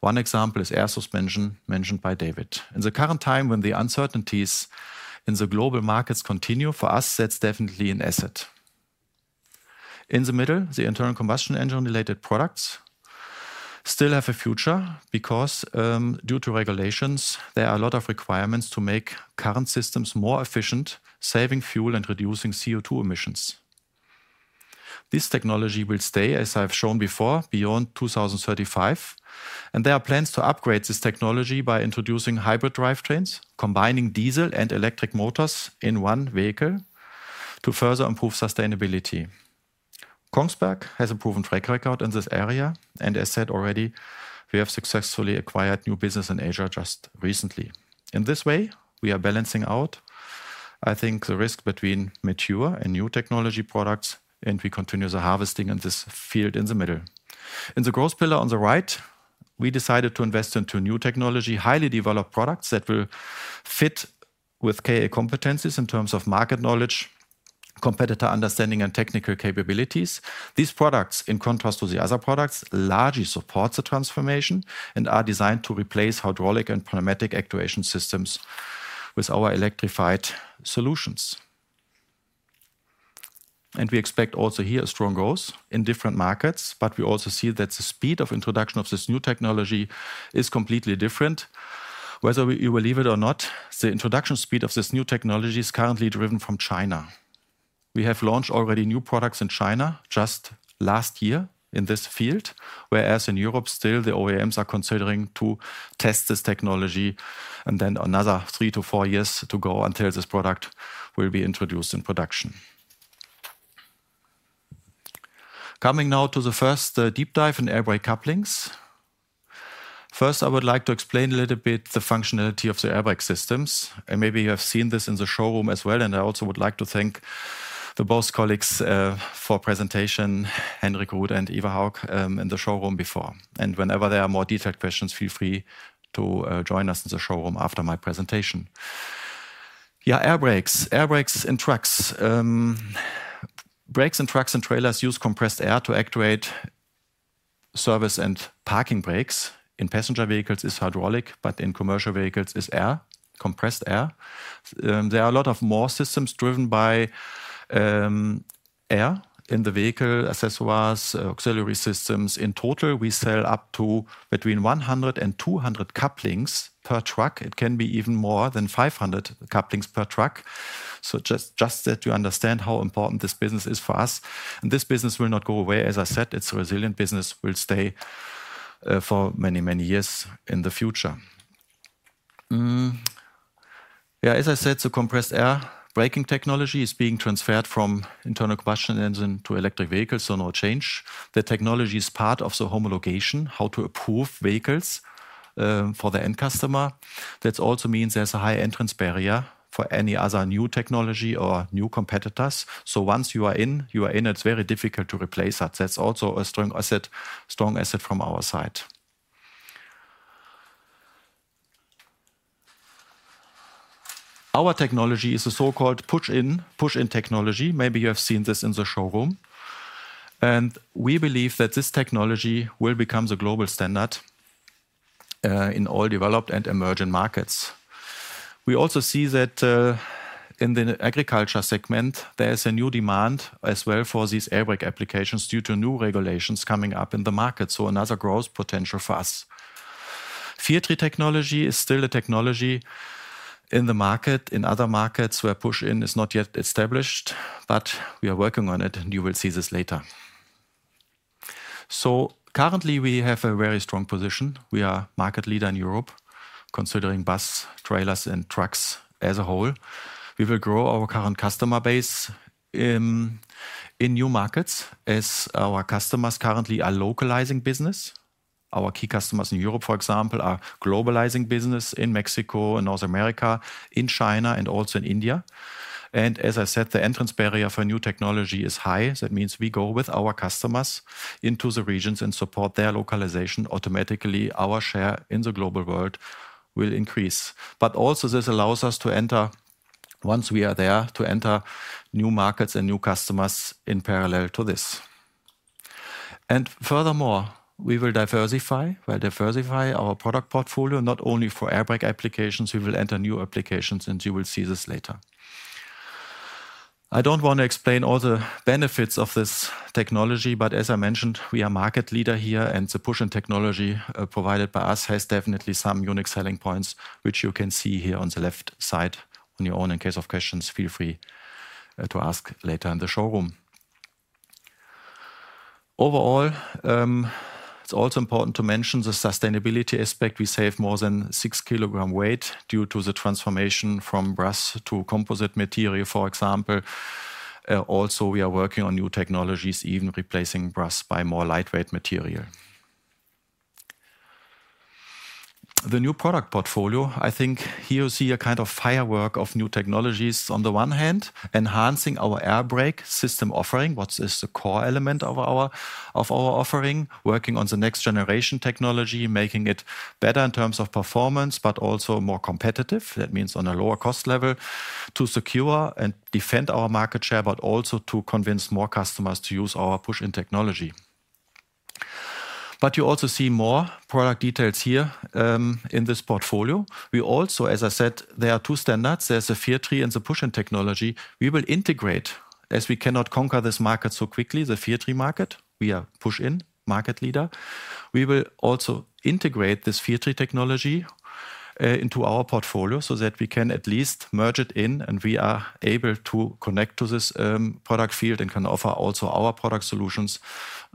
Speaker 4: One example is air suspension mentioned by David. In the current time, when the uncertainties in the global markets continue, for us, that's definitely an asset. In the middle, the internal combustion engine-related products still have a future because due to regulations, there are a lot of requirements to make current systems more efficient, saving fuel and reducing CO2 emissions. This technology will stay, as I've shown before, beyond 2035, and there are plans to upgrade this technology by introducing hybrid drivetrains, combining diesel and electric motors in one vehicle to further improve sustainability. Kongsberg has a proven track record in this area, and as said already, we have successfully acquired new business in Asia just recently. In this way, we are balancing out, I think, the risk between mature and new technology products, and we continue the harvesting in this field in the middle. In the growth pillar on the right, we decided to invest into new technology, highly developed products that will fit with KA competencies in terms of market knowledge, competitor understanding, and technical capabilities. These products, in contrast to the other products, largely support the transformation and are designed to replace hydraulic and pneumatic actuation systems with our electrified solutions. And we expect also here a strong growth in different markets, but we also see that the speed of introduction of this new technology is completely different. Whether you believe it or not, the introduction speed of this new technology is currently driven from China. We have launched already new products in China just last year in this field, whereas in Europe, still the OEMs are considering to test this technology, and then another three to four years to go until this product will be introduced in production. Coming now to the first deep dive in air brake couplings. First, I would like to explain a little bit the functionality of the air brake systems, and maybe you have seen this in the showroom as well, and I also would like to thank the both colleagues for presentation, Henrik Ruuth and Eva Haug, in the showroom before. And whenever there are more detailed questions, feel free to join us in the showroom after my presentation. Yeah, air brakes, air brakes in trucks. Brakes in trucks and trailers use compressed air to actuate service and parking brakes. In passenger vehicles, it's hydraulic, but in commercial vehicles, it's air, compressed air. There are a lot of more systems driven by air in the vehicle, accessories, auxiliary systems. In total, we sell up to between 100 and 200 couplings per truck. It can be even more than 500 couplings per truck. So just that you understand how important this business is for us. And this business will not go away. As I said, it's a resilient business will stay for many, many years in the future. Yeah, as I said, the compressed air braking technology is being transferred from internal combustion engine to electric vehicles, so no change. The technology is part of the homologation, how to approve vehicles for the end customer. That also means there's a high entrance barrier for any other new technology or new competitors, so once you are in, you are in. It's very difficult to replace that. That's also a strong asset, strong asset from our side. Our technology is a so-called push-in, push-in technology. Maybe you have seen this in the showroom, and we believe that this technology will become the global standard in all developed and emerging markets. We also see that in the agriculture segment, there is a new demand as well for these air brake applications due to new regulations coming up in the market, so another growth potential for us. Proprietary technology is still a technology in the market, in other markets where push-in is not yet established, but we are working on it, and you will see this later. Currently, we have a very strong position. We are a market leader in Europe, considering buses, trailers, and trucks as a whole. We will grow our current customer base in new markets as our customers currently are localizing business. Our key customers in Europe, for example, are globalizing business in Mexico and North America, in China, and also in India. As I said, the entry barrier for new technology is high. That means we go with our customers into the regions and support their localization automatically. Our share in the global world will increase. Also this allows us to enter, once we are there, to enter new markets and new customers in parallel to this. Furthermore, we will diversify. We'll diversify our product portfolio not only for air brake applications. We will enter new applications, and you will see this later. I don't want to explain all the benefits of this technology, but as I mentioned, we are a market leader here, and the push-in technology provided by us has definitely some unique selling points, which you can see here on the left side. On your own, in case of questions, feel free to ask later in the showroom. Overall, it's also important to mention the sustainability aspect. We save more than six kilograms weight due to the transformation from brass to composite material, for example. Also, we are working on new technologies, even replacing brass by more lightweight material. The new product portfolio, I think here you see a kind of firework of new technologies. On the one hand, enhancing our air brake system offering, which is the core element of our offering, working on the next generation technology, making it better in terms of performance, but also more competitive. That means on a lower cost level to secure and defend our market share, but also to convince more customers to use our push-in technology, but you also see more product details here in this portfolio. We also, as I said, there are two standards. There's a variety in the push-in technology. We will integrate, as we cannot conquer this market so quickly, the variety market. We are a push-in market leader. We will also integrate this Fierty technology into our portfolio so that we can at least merge it in, and we are able to connect to this product field and can offer also our product solutions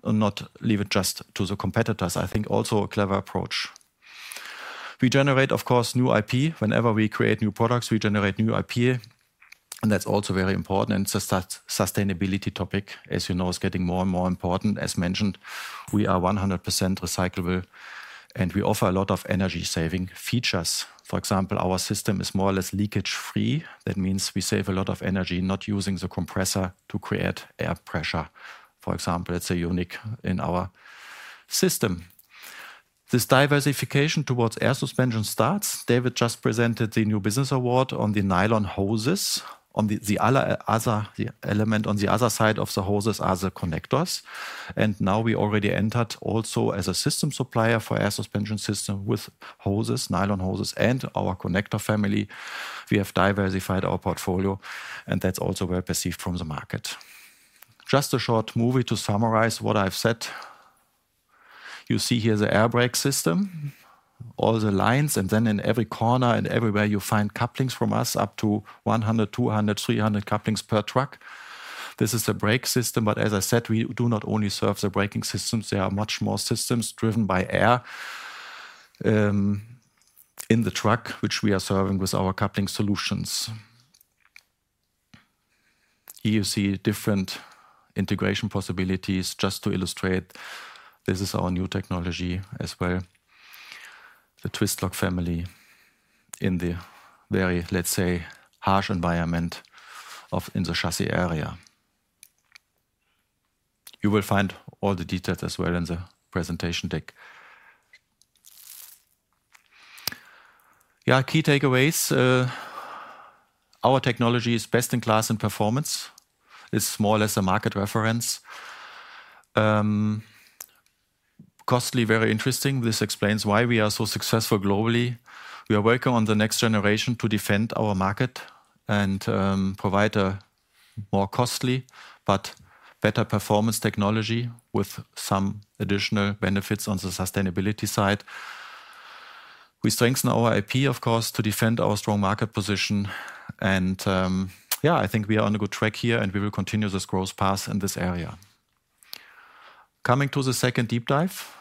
Speaker 4: and not leave it just to the competitors. I think also a clever approach. We generate, of course, new IP. Whenever we create new products, we generate new IP, and that's also very important. The sustainability topic, as you know, is getting more and more important. As mentioned, we are 100% recyclable, and we offer a lot of energy-saving features. For example, our system is more or less leakage-free. That means we save a lot of energy not using the compressor to create air pressure. For example, it's a unique in our system. This diversification towards air suspension starts. David just presented the new business award on the nylon hoses. The other element on the other side of the hoses are the connectors, and now we already entered also as a system supplier for air suspension system with hoses, nylon hoses, and our connector family. We have diversified our portfolio, and that's also well perceived from the market. Just a short movie to summarize what I've said. You see here the air brake system, all the lines, and then in every corner and everywhere you find couplings from us up to 100, 200, 300 couplings per truck. This is the brake system, but as I said, we do not only serve the braking systems. There are much more systems driven by air in the truck, which we are serving with our coupling solutions. Here you see different integration possibilities. Just to illustrate, this is our new technology as well, the Twist-Lock family in the very, let's say, harsh environment of in the chassis area. You will find all the details as well in the presentation deck. Yeah, key takeaways. Our technology is best in class in performance. It's more or less a market reference. Costly, very interesting. This explains why we are so successful globally. We are working on the next generation to defend our market and provide a more costly but better performance technology with some additional benefits on the sustainability side. We strengthen our IP, of course, to defend our strong market position. And yeah, I think we are on a good track here, and we will continue this growth path in this area. Coming to the second deep dive,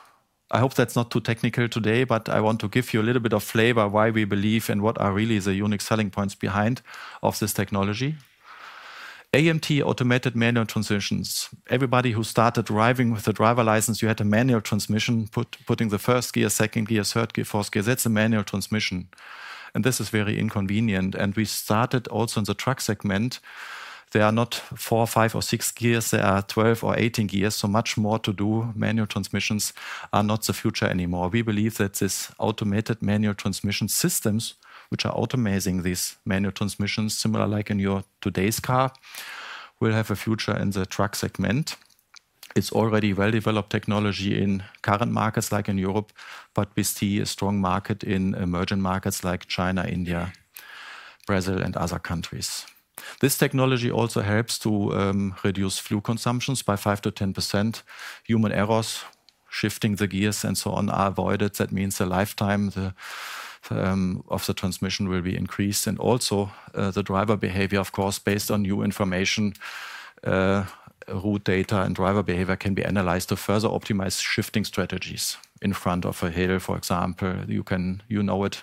Speaker 4: I hope that's not too technical today, but I want to give you a little bit of flavor why we believe and what are really the unique selling points behind this technology. AMT, automated manual transmissions. Everybody who started driving with a driver license, you had a manual transmission, putting the first gear, second gear, third gear, fourth gear. That's a manual transmission, and this is very inconvenient, and we started also in the truck segment. There are not four, five, or six gears. There are 12 or 18 gears, so much more to do. Manual transmissions are not the future anymore. We believe that these automated manual transmission systems, which are automating these manual transmissions, similar like in your today's car, will have a future in the truck segment. It's already well-developed technology in current markets like in Europe, but we see a strong market in emerging markets like China, India, Brazil, and other countries. This technology also helps to reduce fuel consumptions by 5%-10%. Human errors, shifting the gears and so on are avoided. That means the lifetime of the transmission will be increased. And also the driver behavior, of course, based on new information, route data, and driver behavior can be analyzed to further optimize shifting strategies. In front of a hill, for example, you know it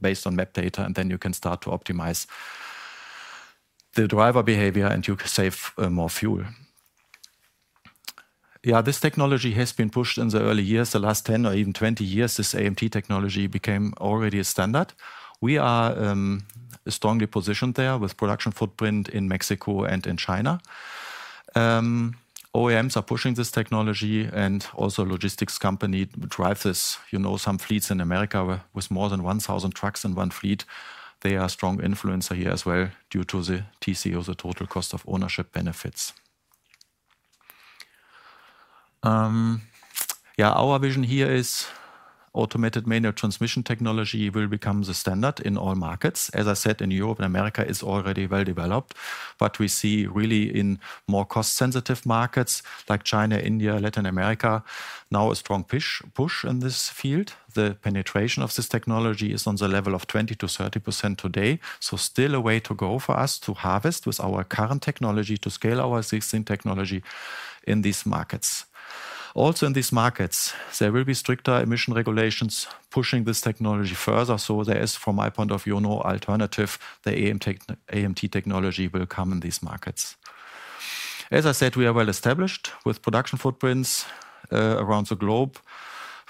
Speaker 4: based on map data, and then you can start to optimize the driver behavior, and you save more fuel. Yeah, this technology has been pushed in the early years, the last 10 or even 20 years. This AMT technology became already a standard. We are strongly positioned there with production footprint in Mexico and in China. OEMs are pushing this technology, and also logistics companies drive this. You know, some fleets in America with more than 1,000 trucks in one fleet. They are a strong influencer here as well due to the TCO, the total cost of ownership benefits. Yeah, our vision here is automated manual transmission technology will become the standard in all markets. As I said, in Europe and America, it is already well developed, but we see really in more cost-sensitive markets like China, India, Latin America, now a strong push in this field. The penetration of this technology is on the level of 20%-30% today. So still a way to go for us to harvest with our current technology to scale our existing technology in these markets. Also in these markets, there will be stricter emission regulations pushing this technology further. There is, from my point of view, no alternative. The AMT technology will come in these markets. As I said, we are well established with production footprints around the globe.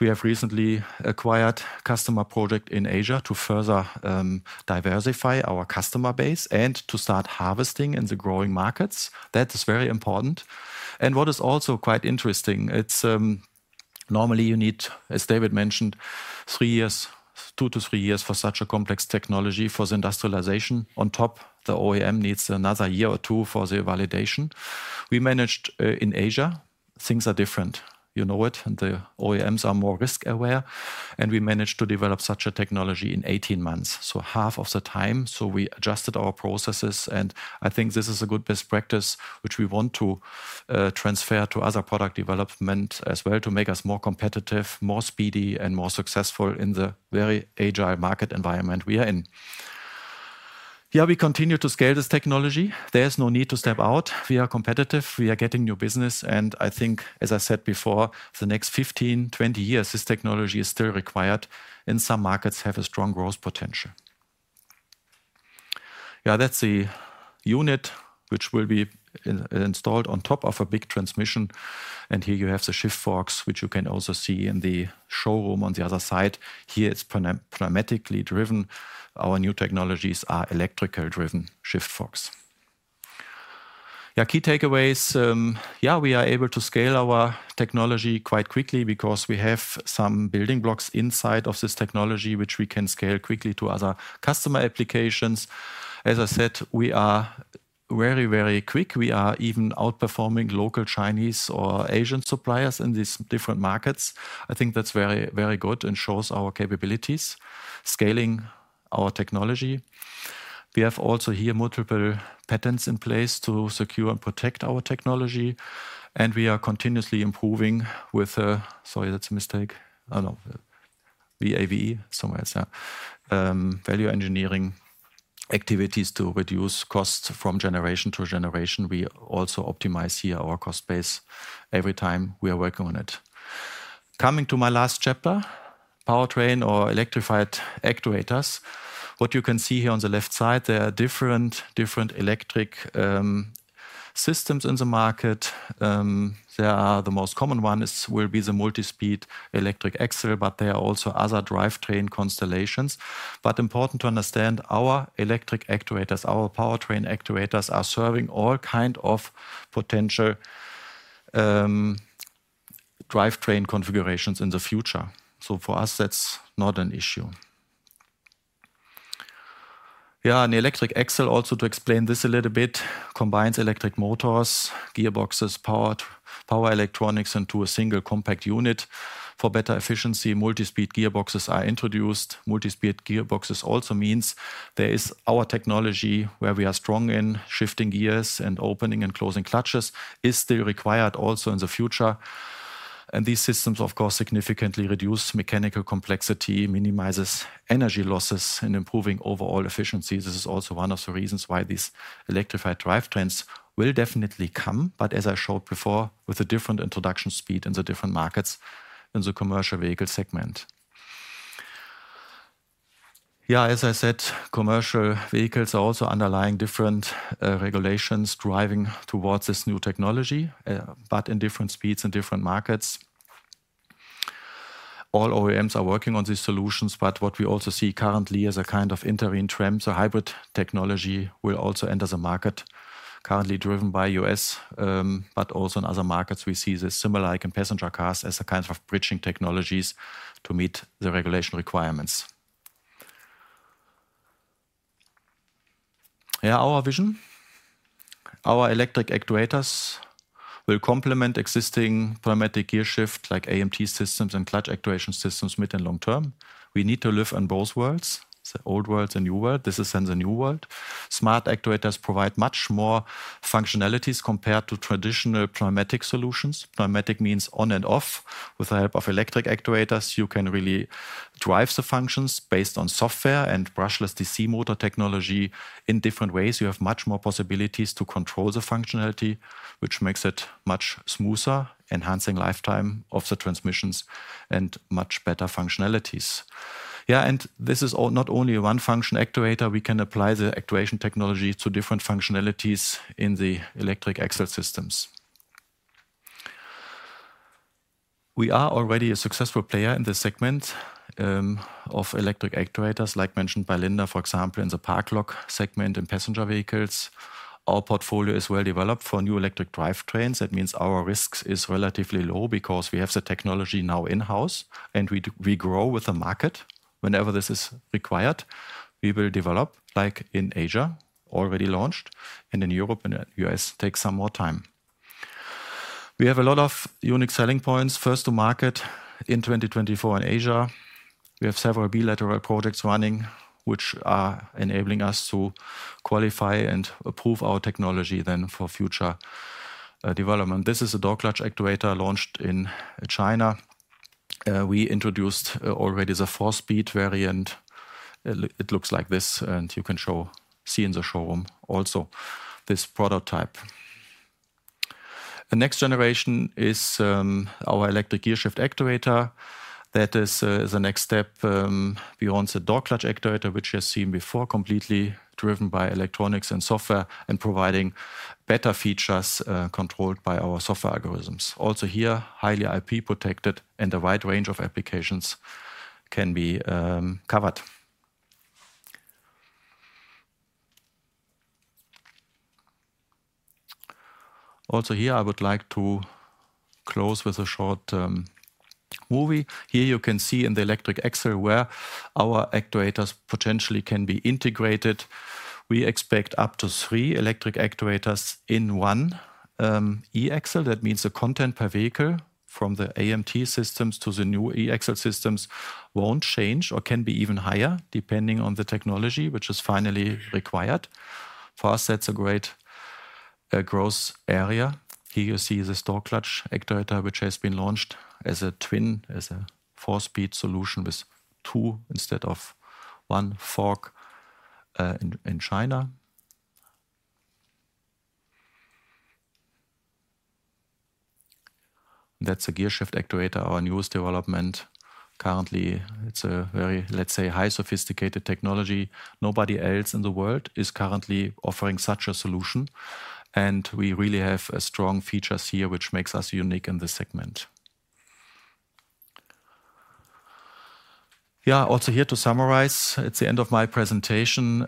Speaker 4: We have recently acquired a customer project in Asia to further diversify our customer base and to start harvesting in the growing markets. That is very important. And what is also quite interesting, normally you need, as David mentioned, two to three years for such a complex technology for the industrialization. On top, the OEM needs another year or two for the validation. We managed in Asia, things are different. You know it. The OEMs are more risk-aware, and we managed to develop such a technology in 18 months, so half of the time. So we adjusted our processes, and I think this is a good best practice, which we want to transfer to other product development as well to make us more competitive, more speedy, and more successful in the very agile market environment we are in. Yeah, we continue to scale this technology. There's no need to step out. We are competitive. We are getting new business. And I think, as I said before, the next 15-20 years, this technology is still required in some markets, has a strong growth potential. Yeah, that's the unit which will be installed on top of a big transmission. And here you have the shift forks, which you can also see in the showroom on the other side. Here it's pneumatically driven. Our new technologies are electrical-driven shift forks. Yeah, key takeaways. Yeah, we are able to scale our technology quite quickly because we have some building blocks inside of this technology, which we can scale quickly to other customer applications. As I said, we are very, very quick. We are even outperforming local Chinese or Asian suppliers in these different markets. I think that's very, very good and shows our capabilities, scaling our technology. We have also here multiple patents in place to secure and protect our technology. And we are continuously improving with value engineering activities to reduce costs from generation to generation. We also optimize here our cost base every time we are working on it. Coming to my last chapter, powertrain or electrified actuators. What you can see here on the left side, there are different electric systems in the market. The most common one will be the multi-speed electric axle, but there are also other drivetrain constellations, but important to understand, our electric actuators, our powertrain actuators are serving all kinds of potential drivetrain configurations in the future, so for us, that's not an issue. Yeah, an electric axle also to explain this a little bit combines electric motors, gearboxes, power electronics into a single compact unit. For better efficiency, multi-speed gearboxes are introduced. Multi-speed gearboxes also means there is our technology where we are strong in shifting gears and opening and closing clutches is still required also in the future, and these systems, of course, significantly reduce mechanical complexity, minimize energy losses, and improve overall efficiency. This is also one of the reasons why these electrified drivetrains will definitely come, but as I showed before, with a different introduction speed in the different markets in the commercial vehicle segment. Yeah, as I said, commercial vehicles are also underlying different regulations driving towards this new technology, but in different speeds in different markets. All OEMs are working on these solutions, but what we also see currently is a kind of interim trend. So hybrid technology will also enter the market, currently driven by the U.S., but also in other markets, we see this similar like in passenger cars as a kind of bridging technologies to meet the regulation requirements. Yeah, our vision, our electric actuators will complement existing pneumatic gear shift like AMT systems and clutch actuation systems mid and long term. We need to live in both worlds, the old world and new world. This is then the new world. Smart actuators provide much more functionalities compared to traditional pneumatic solutions. Pneumatic means on and off. With the help of electric actuators, you can really drive the functions based on software and brushless DC motor technology in different ways. You have much more possibilities to control the functionality, which makes it much smoother, enhancing lifetime of the transmissions and much better functionalities. Yeah, and this is not only one function actuator. We can apply the actuation technology to different functionalities in the electric axle systems. We are already a successful player in the segment of electric actuators, like mentioned by Linda, for example, in the park lock segment in passenger vehicles. Our portfolio is well developed for new electric drivetrains. That means our risk is relatively low because we have the technology now in-house, and we grow with the market. Whenever this is required, we will develop like in Asia, already launched, and in Europe and the U.S. takes some more time. We have a lot of unique selling points. First to market in 2024 in Asia, we have several bilateral projects running, which are enabling us to qualify and approve our technology then for future development. This is a dog clutch actuator launched in China. We introduced already the four-speed variant. It looks like this, and you can see in the showroom also this prototype. The next generation is our electric gear shift actuator. That is the next step beyond the dog clutch actuator, which you have seen before, completely driven by electronics and software and providing better features controlled by our software algorithms. Also here, highly IP protected, and a wide range of applications can be covered. Also here, I would like to close with a short movie. Here you can see in the electric axle where our actuators potentially can be integrated.
Speaker 2: We expect up to three electric actuators in one e-axle. That means the content per vehicle from the AMT systems to the new e-axle systems won't change or can be even higher depending on the technology, which is finally required. For us, that's a great growth area. Here you see the dog clutch actuator, which has been launched as a twin, as a four-speed solution with two instead of one fork in China. That's a gear shift actuator, our newest development. Currently, it's a very, let's say, highly sophisticated technology. Nobody else in the world is currently offering such a solution, and we really have strong features here, which makes us unique in the segment. Yeah, also here to summarize, it's the end of my presentation.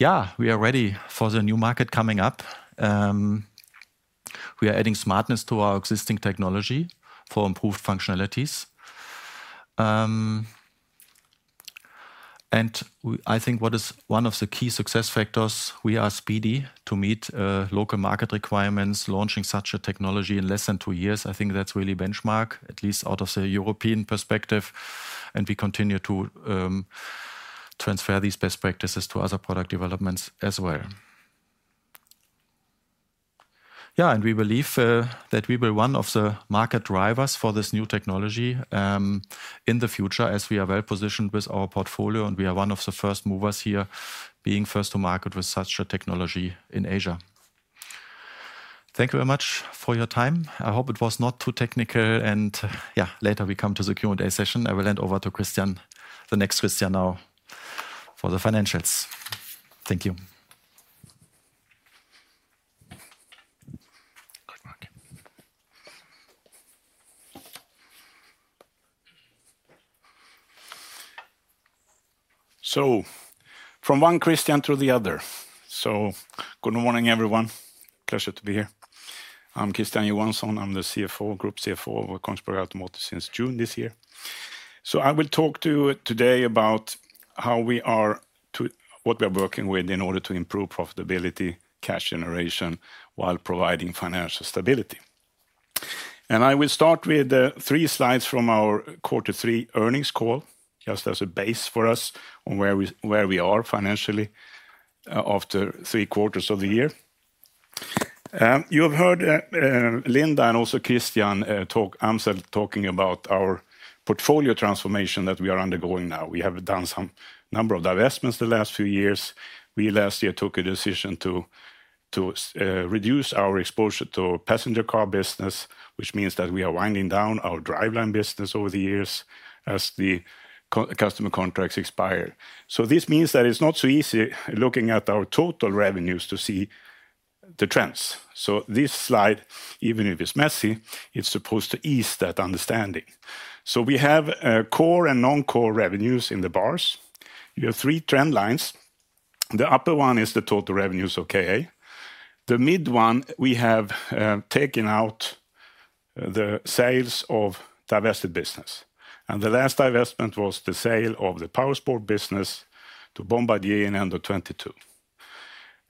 Speaker 2: Yeah, we are ready for the new market coming up. We are adding smartness to our existing technology for improved functionalities. And I think what is one of the key success factors, we are speedy to meet local market requirements, launching such a technology in less than two years. I think that's really benchmark, at least out of the European perspective. And we continue to transfer these best practices to other product developments as well. Yeah, and we believe that we will be one of the market drivers for this new technology in the future as we are well positioned with our portfolio, and we are one of the first movers here being first to market with such a technology in Asia. Thank you very much for your time. I hope it was not too technical, and yeah, later we come to the Q&A session. I will hand over to Christian, the next Christian now for the financials. Thank you.
Speaker 5: So from one Christian to the other. So good morning, everyone. Pleasure to be here. I'm Christian Johansson. I'm the CFO, Group CFO of Kongsberg Automotive since June this year, so I will talk to you today about how we are to what we are working with in order to improve profitability, cash generation while providing financial stability, and I will start with three slides from our quarter three earnings call, just as a base for us on where we are financially after three quarters of the year. You have heard Linda and also Christian talk about our portfolio transformation that we are undergoing now. We have done some number of divestments the last few years. We last year took a decision to reduce our exposure to passenger car business, which means that we are winding down our driveline business over the years as the customer contracts expire. This means that it's not so easy looking at our total revenues to see the trends. So this slide, even if it's messy, it's supposed to ease that understanding. So we have core and non-core revenues in the bars. You have three trend lines. The upper one is the total revenues of KA. The mid one, we have taken out the sales of divested business. And the last divestment was the sale of the power sport business to Bombardier in end of 2022.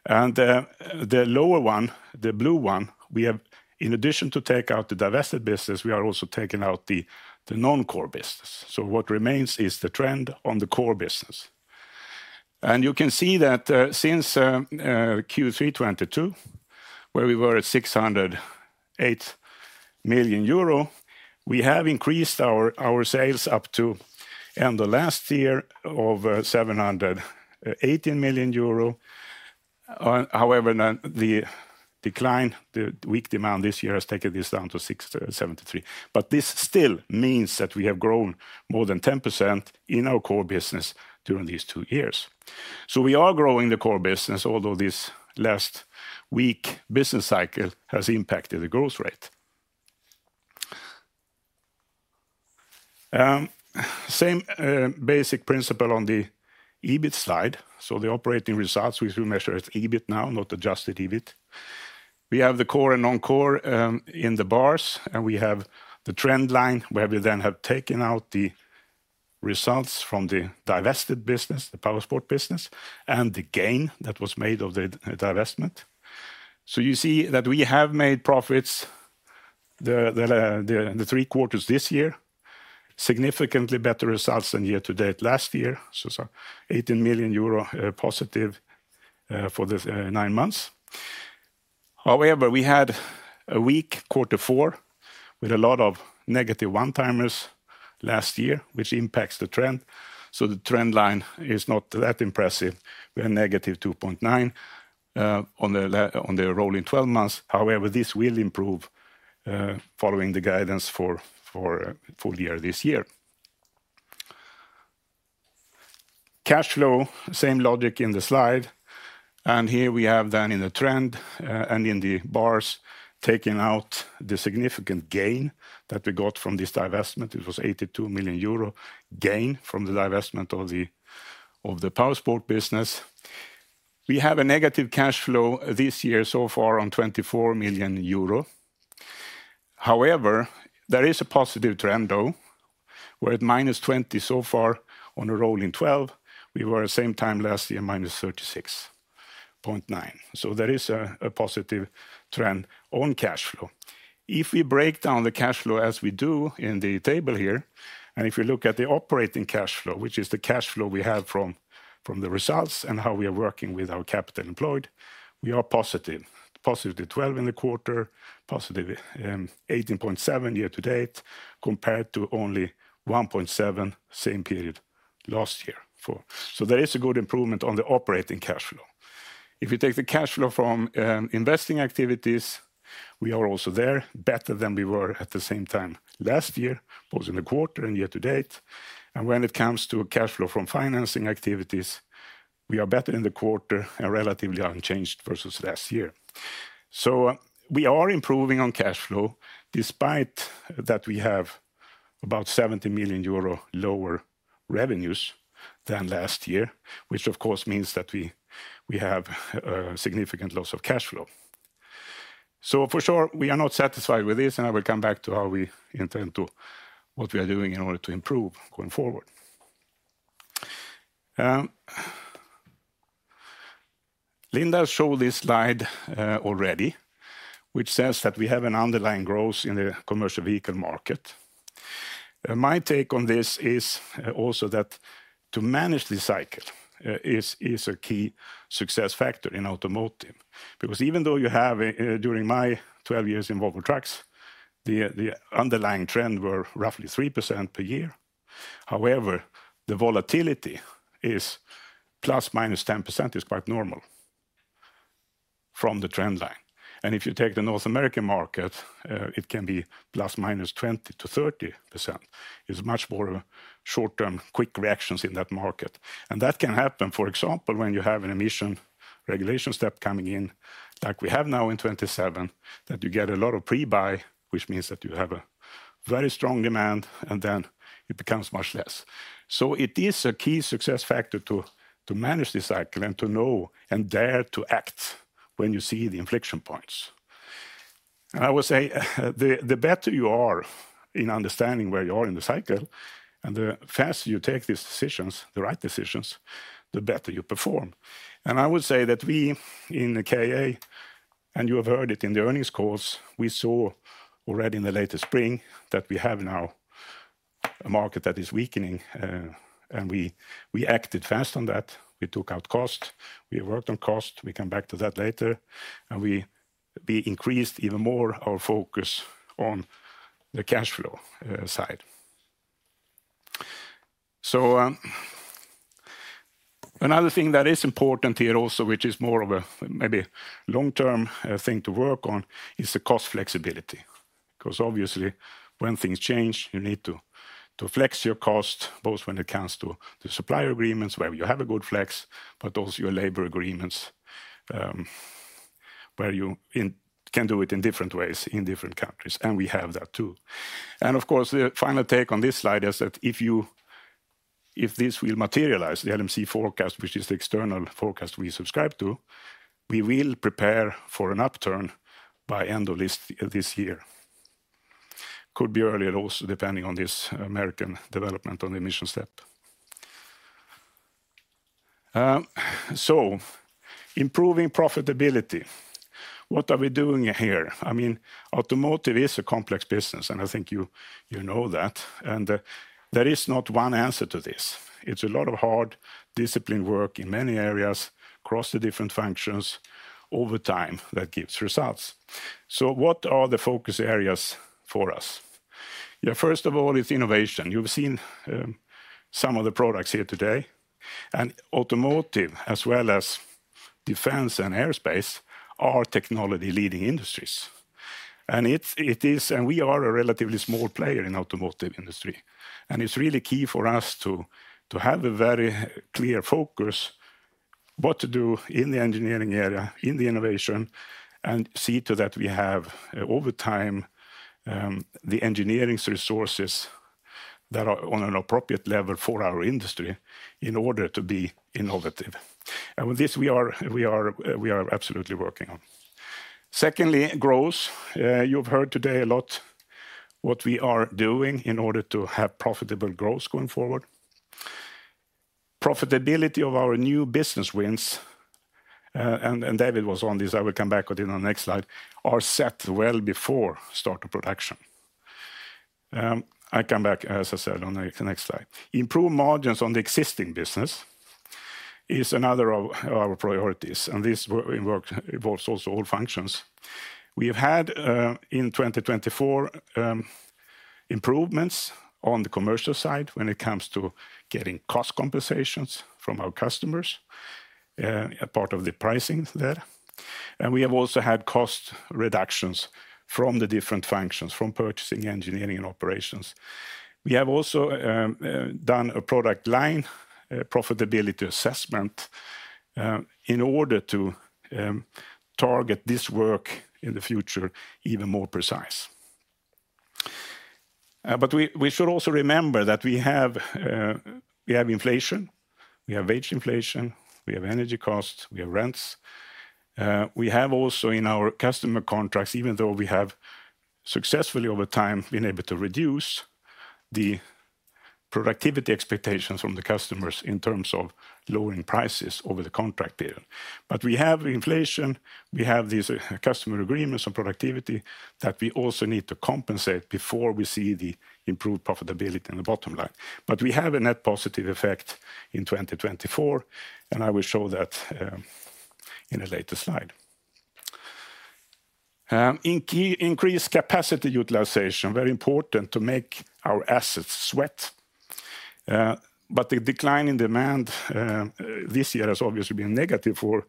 Speaker 5: And the lower one, the blue one, we have, in addition to take out the divested business, we are also taking out the non-core business. So what remains is the trend on the core business. And you can see that since Q3 2022, where we were at 608 million euro, we have increased our sales up to end of last year of 718 million euro. However, the decline, the weak demand this year has taken this down to 73, but this still means that we have grown more than 10% in our core business during these two years. So we are growing the core business, although this last weak business cycle has impacted the growth rate. Same basic principle on the EBIT slide, so the operating results, which we measure as EBIT now, not adjusted EBIT. We have the core and non-core in the bars, and we have the trend line where we then have taken out the results from the divested business, the powersports business, and the gain that was made of the divestment. So you see that we have made profits in the three quarters this year, significantly better results than year to date last year, so it's 18 million euro positive for the nine months. However, we had a weak quarter four with a lot of negative one-timers last year, which impacts the trend, so the trend line is not that impressive. We are negative 2.9 on the rolling 12 months. However, this will improve following the guidance for full year this year. Cash flow, same logic in the slide, and here we have then in the trend and in the bars taken out the significant gain that we got from this divestment. It was 82 million euro gain from the divestment of the powersports business. We have a negative cash flow this year so far on 24 million euro. However, there is a positive trend though, where at -20 so far on a rolling 12, we were at the same time last year -36.9, so there is a positive trend on cash flow. If we break down the cash flow as we do in the table here, and if you look at the operating cash flow, which is the cash flow we have from the results and how we are working with our Capital Employed, we are positive, +12 in the quarter, +18.7 year to date compared to only 1.7 same period last year. So there is a good improvement on the operating cash flow. If you take the cash flow from investing activities, we are also there better than we were at the same time last year, both in the quarter and year to date, and when it comes to cash flow from financing activities, we are better in the quarter and relatively unchanged versus last year. We are improving on cash flow despite that we have about 70 million euro lower revenues than last year, which of course means that we have a significant loss of cash flow. For sure, we are not satisfied with this, and I will come back to how we intend to what we are doing in order to improve going forward. Linda showed this slide already, which says that we have an underlying growth in the commercial vehicle market. My take on this is also that to manage the cycle is a key success factor in automotive. Because even though you have during my 12 years involved with trucks, the underlying trend were roughly 3% per year. However, the volatility is ±10% is quite normal from the trend line. If you take the North American market, it can be ±20%-30%. It's much more short-term, quick reactions in that market. And that can happen, for example, when you have an emission regulation step coming in, like we have now in 2027, that you get a lot of pre-buy, which means that you have a very strong demand, and then it becomes much less. So it is a key success factor to manage the cycle and to know and dare to act when you see the inflection points. And I would say the better you are in understanding where you are in the cycle, and the faster you take these decisions, the right decisions, the better you perform. And I would say that we in the KA, and you have heard it in the earnings calls, we saw already in the late spring that we have now a market that is weakening, and we acted fast on that. We took out cost. We worked on cost. We come back to that later, and we increased even more our focus on the cash flow side, so another thing that is important here also, which is more of a maybe long-term thing to work on, is the cost flexibility. Because obviously, when things change, you need to flex your cost, both when it comes to supplier agreements where you have a good flex, but also your labor agreements where you can do it in different ways in different countries, and we have that too, and of course, the final take on this slide is that if this will materialize, the LMC forecast, which is the external forecast we subscribe to, we will prepare for an upturn by end of this year. Could be earlier also depending on this American development on the emission step, so improving profitability. What are we doing here? I mean, automotive is a complex business, and I think you know that. And there is not one answer to this. It's a lot of hard discipline work in many areas across the different functions over time that gives results. So what are the focus areas for us? Yeah, first of all, it's innovation. You've seen some of the products here today. And automotive, as well as defense and aerospace, are technology-leading industries. And it is, and we are a relatively small player in the automotive industry. And it's really key for us to have a very clear focus on what to do in the engineering area, in the innovation, and see to that we have over time the engineering resources that are on an appropriate level for our industry in order to be innovative. And with this, we are absolutely working on. Secondly, growth. You've heard today a lot what we are doing in order to have profitable growth going forward. Profitability of our new business wins, and David was on this. I will come back to it in the next slide, are set well before start of production. I come back, as I said, on the next slide. Improve margins on the existing business is another of our priorities, and this involves also all functions. We have had in 2024 improvements on the commercial side when it comes to getting cost compensations from our customers as part of the pricing there. We have also had cost reductions from the different functions, from purchasing, engineering, and operations. We have also done a product line profitability assessment in order to target this work in the future even more precise, but we should also remember that we have inflation. We have wage inflation. We have energy costs. We have rents. We have also in our customer contracts, even though we have successfully over time been able to reduce the productivity expectations from the customers in terms of lowering prices over the contract period. But we have inflation. We have these customer agreements on productivity that we also need to compensate before we see the improved profitability in the bottom line. But we have a net positive effect in 2024, and I will show that in a later slide. Increased capacity utilization, very important to make our assets sweat. But the decline in demand this year has obviously been negative for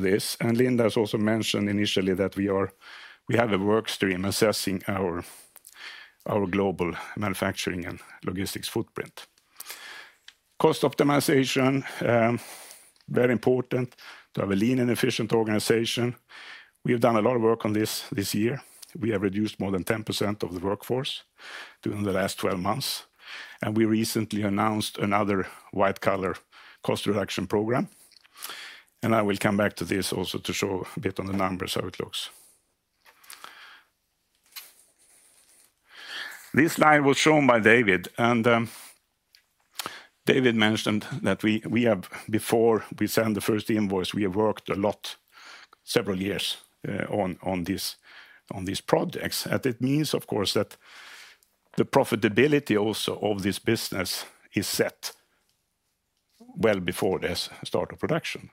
Speaker 5: this. And Linda has also mentioned initially that we have a workstream assessing our global manufacturing and logistics footprint. Cost optimization, very important to have a lean and efficient organization. We have done a lot of work on this year. We have reduced more than 10% of the workforce during the last 12 months, and we recently announced another white-collar cost reduction program. I will come back to this also to show a bit on the numbers how it looks. This slide was shown by David, and David mentioned that before we sent the first invoice, we have worked a lot, several years on these projects. It means, of course, that the profitability also of this business is set well before the start of production,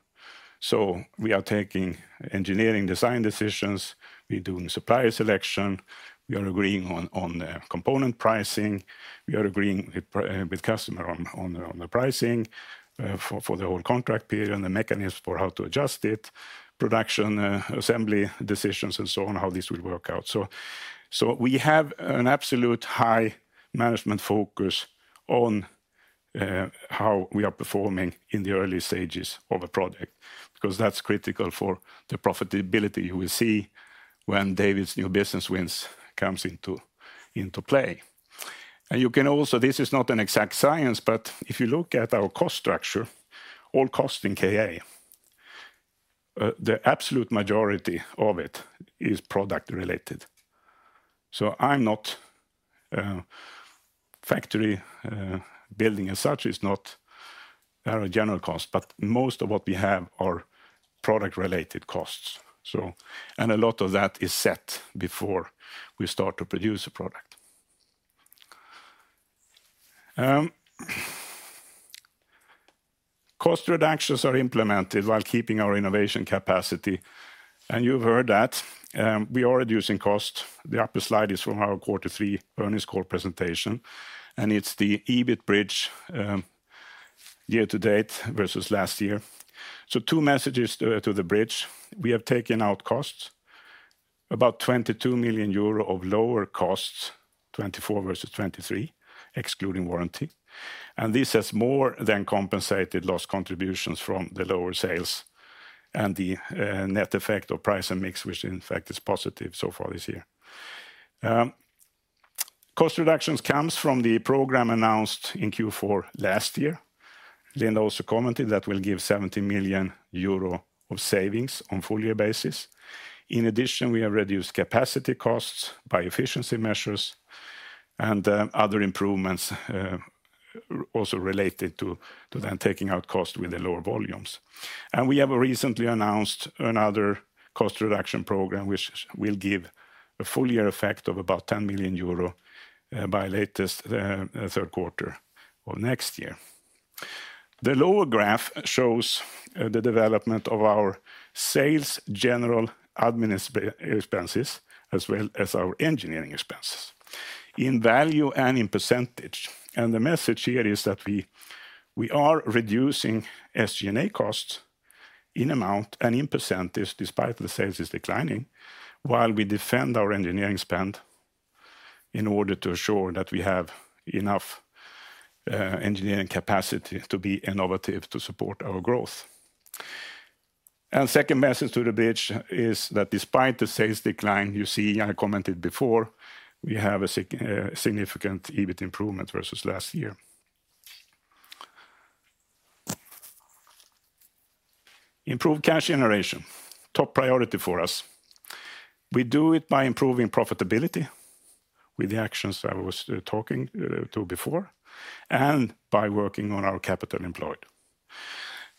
Speaker 5: so we are taking engineering design decisions. We're doing supplier selection. We are agreeing on component pricing. We are agreeing with customers on the pricing for the whole contract period and the mechanism for how to adjust it, production assembly decisions, and so on, how this will work out. So we have an absolute high management focus on how we are performing in the early stages of a project because that's critical for the profitability you will see when David's new business wins comes into play. And you can also, this is not an exact science, but if you look at our cost structure, all cost in KA, the absolute majority of it is product-related. So I'm not factory building as such, it's not our general cost, but most of what we have are product-related costs. And a lot of that is set before we start to produce a product. Cost reductions are implemented while keeping our innovation capacity. And you've heard that we are reducing costs. The upper slide is from our quarter three earnings call presentation. And it's the EBIT bridge year to date versus last year. So two messages to the bridge. We have taken out costs, about 22 million euro of lower costs, 2024 versus 2023, excluding warranty. This has more than compensated lost contributions from the lower sales and the net effect of price and mix, which in fact is positive so far this year. Cost reductions come from the program announced in Q4 last year. Linda also commented that we'll give 70 million euro of savings on a full-year basis. In addition, we have reduced capacity costs by efficiency measures and other improvements also related to then taking out costs with the lower volumes. We have recently announced another cost reduction program, which will give a full-year effect of about 10 million euro by the latest third quarter of next year. The lower graph shows the development of our sales general expenses as well as our engineering expenses in value and in percentage. The message here is that we are reducing SG&A costs in amount and in percentage despite the sales declining, while we defend our engineering spend in order to assure that we have enough engineering capacity to be innovative to support our growth. The second message to the bridge is that despite the sales decline, you see, I commented before, we have a significant EBIT improvement versus last year. Improved cash generation, top priority for us. We do it by improving profitability with the actions I was talking to before and by working on our capital employed.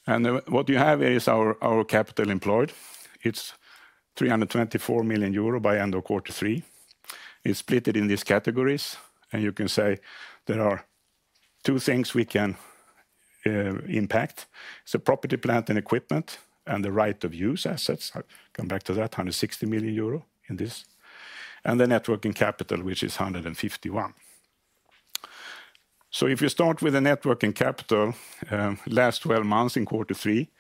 Speaker 5: What you have is our capital employed. It's 324 million euro by end of quarter three. It's split in these categories. You can say there are two things we can impact. It's property, plant and equipment and the right-of-use assets. I'll come back to that, 160 million euro in this. And the net working capital, which is 151 million. So if you start with the net working capital, last 12 months in quarter three,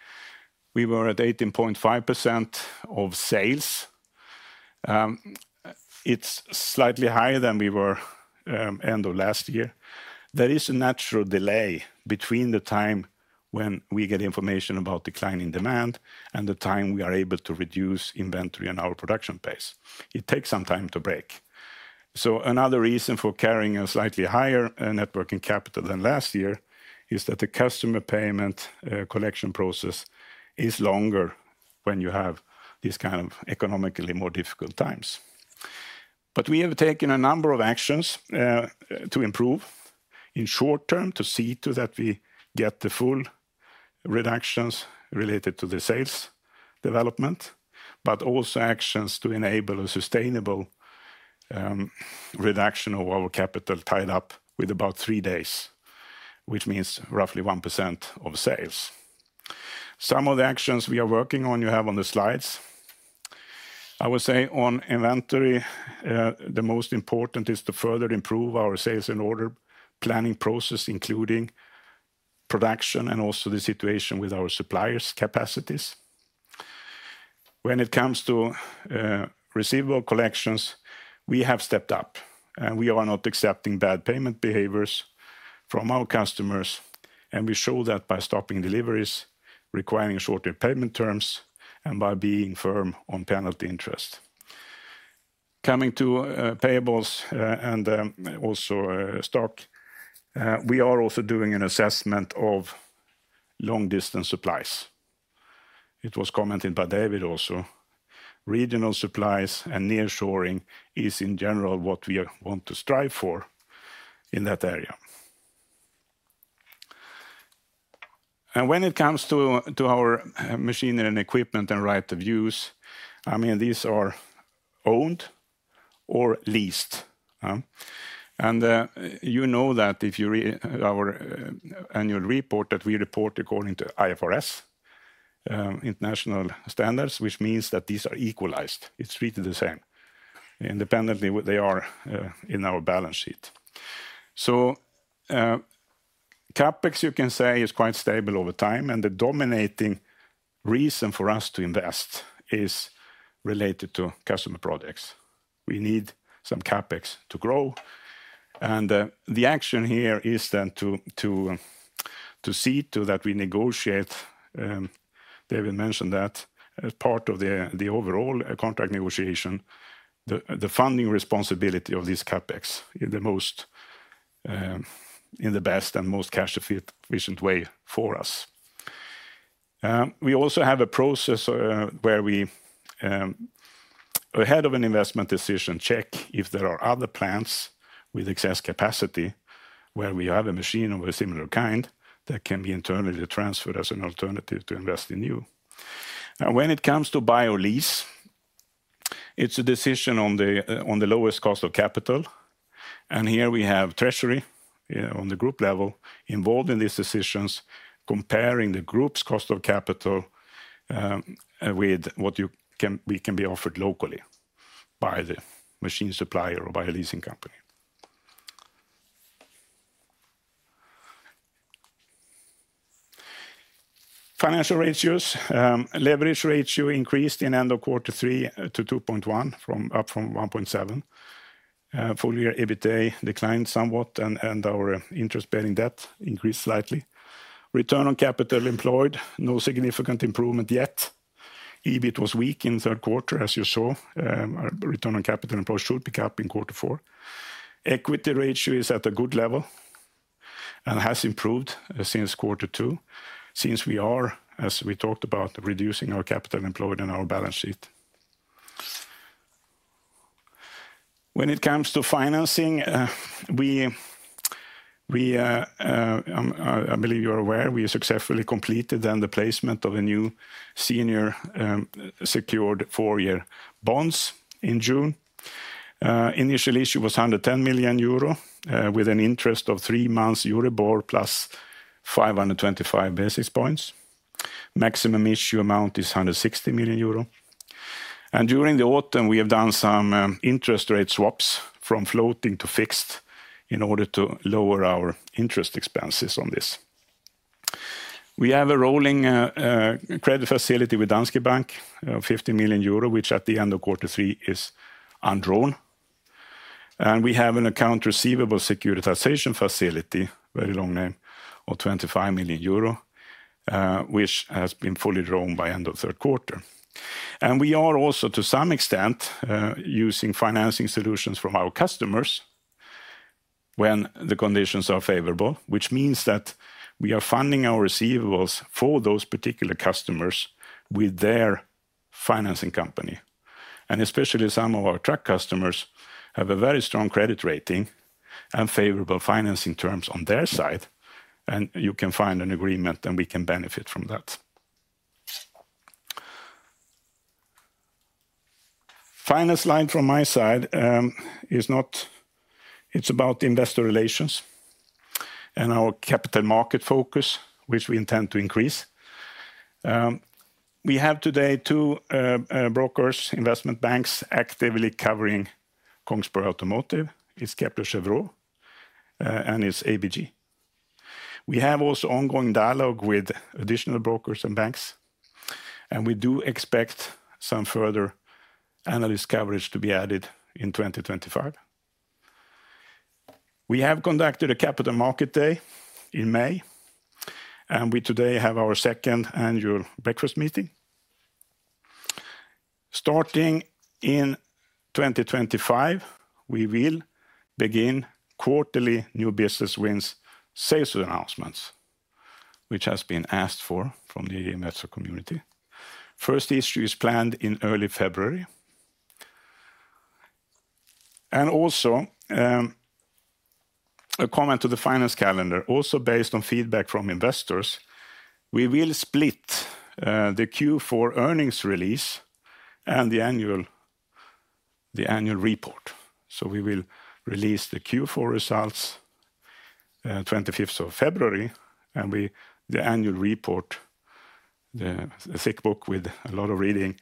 Speaker 5: we were at 18.5% of sales. It's slightly higher than we were end of last year. There is a natural delay between the time when we get information about declining demand and the time we are able to reduce inventory on our production base. It takes some time to break. So another reason for carrying a slightly higher net working capital than last year is that the customer payment collection process is longer when you have these kind of economically more difficult times. But we have taken a number of actions to improve in short term to see to that we get the full reductions related to the sales development, but also actions to enable a sustainable reduction of our capital tied up with about three days, which means roughly 1% of sales. Some of the actions we are working on, you have on the slides. I would say on inventory, the most important is to further improve our sales and order planning process, including production and also the situation with our suppliers' capacities. When it comes to receivable collections, we have stepped up and we are not accepting bad payment behaviors from our customers. And we show that by stopping deliveries, requiring shorter payment terms, and by being firm on penalty interest. Coming to payables and also stock, we are also doing an assessment of long-distance supplies. It was commented by David also. Regional supplies and nearshoring is in general what we want to strive for in that area. When it comes to our machinery and equipment and right of use, I mean, these are owned or leased. You know that if you read our annual report that we report according to IFRS, international standards, which means that these are equalized. It's treated the same. Independently, they are in our balance sheet. CapEx, you can say, is quite stable over time. The dominating reason for us to invest is related to customer projects. We need some CapEx to grow. The action here is then to see to that we negotiate. David mentioned that as part of the overall contract negotiation, the funding responsibility of this CapEx in the best and most cash-efficient way for us. We also have a process where we, ahead of an investment decision, check if there are other plants with excess capacity where we have a machine of a similar kind that can be internally transferred as an alternative to invest in new. Now, when it comes to buy-lease, it's a decision on the lowest cost of capital. And here we have Treasury on the group level involved in these decisions, comparing the group's cost of capital with what we can be offered locally by the machine supplier or by a leasing company. Financial ratios, leverage ratio increased in end of quarter three to 2.1, up from 1.7. Full-year EBIT declined somewhat and our interest-bearing debt increased slightly. Return on capital employed, no significant improvement yet. EBIT was weak in third quarter, as you saw. Return on capital employed should pick up in quarter four. Equity ratio is at a good level and has improved since quarter two, since we are, as we talked about, reducing our capital employed in our balance sheet. When it comes to financing, I believe you're aware we successfully completed then the placement of a new senior secured four-year bonds in June. Initial issue was 110 million euro with an interest of three months Euribor plus 525 basis points. Maximum issue amount is 160 million euro. During the autumn, we have done some interest rate swaps from floating to fixed in order to lower our interest expenses on this. We have a rolling credit facility with Danske Bank of 50 million euro, which at the end of quarter three is undrawn. We have an account receivable securitization facility, very long name, of 25 million euro, which has been fully drawn by end of third quarter. We are also, to some extent, using financing solutions from our customers when the conditions are favorable, which means that we are funding our receivables for those particular customers with their financing company. And especially some of our truck customers have a very strong credit rating and favorable financing terms on their side. And you can find an agreement and we can benefit from that. The final slide from my side is about investor relations and our capital market focus, which we intend to increase. We have today two brokers, investment banks actively covering Kongsberg Automotive. It's Kepler Cheuvreux and ABG. We have also ongoing dialogue with additional brokers and banks. And we do expect some further analyst coverage to be added in 2025. We have Capital Market Day in may. And we today have our second annual breakfast meeting. Starting in 2025, we will begin quarterly new business wins sales announcements, which has been asked for from the investor community. The first issue is planned in early February and also a comment to the finance calendar, also based on feedback from investors, we will split the Q4 earnings release and the annual report so we will release the Q4 results on the 25th of February, and the annual report, the thick book with a lot of reading,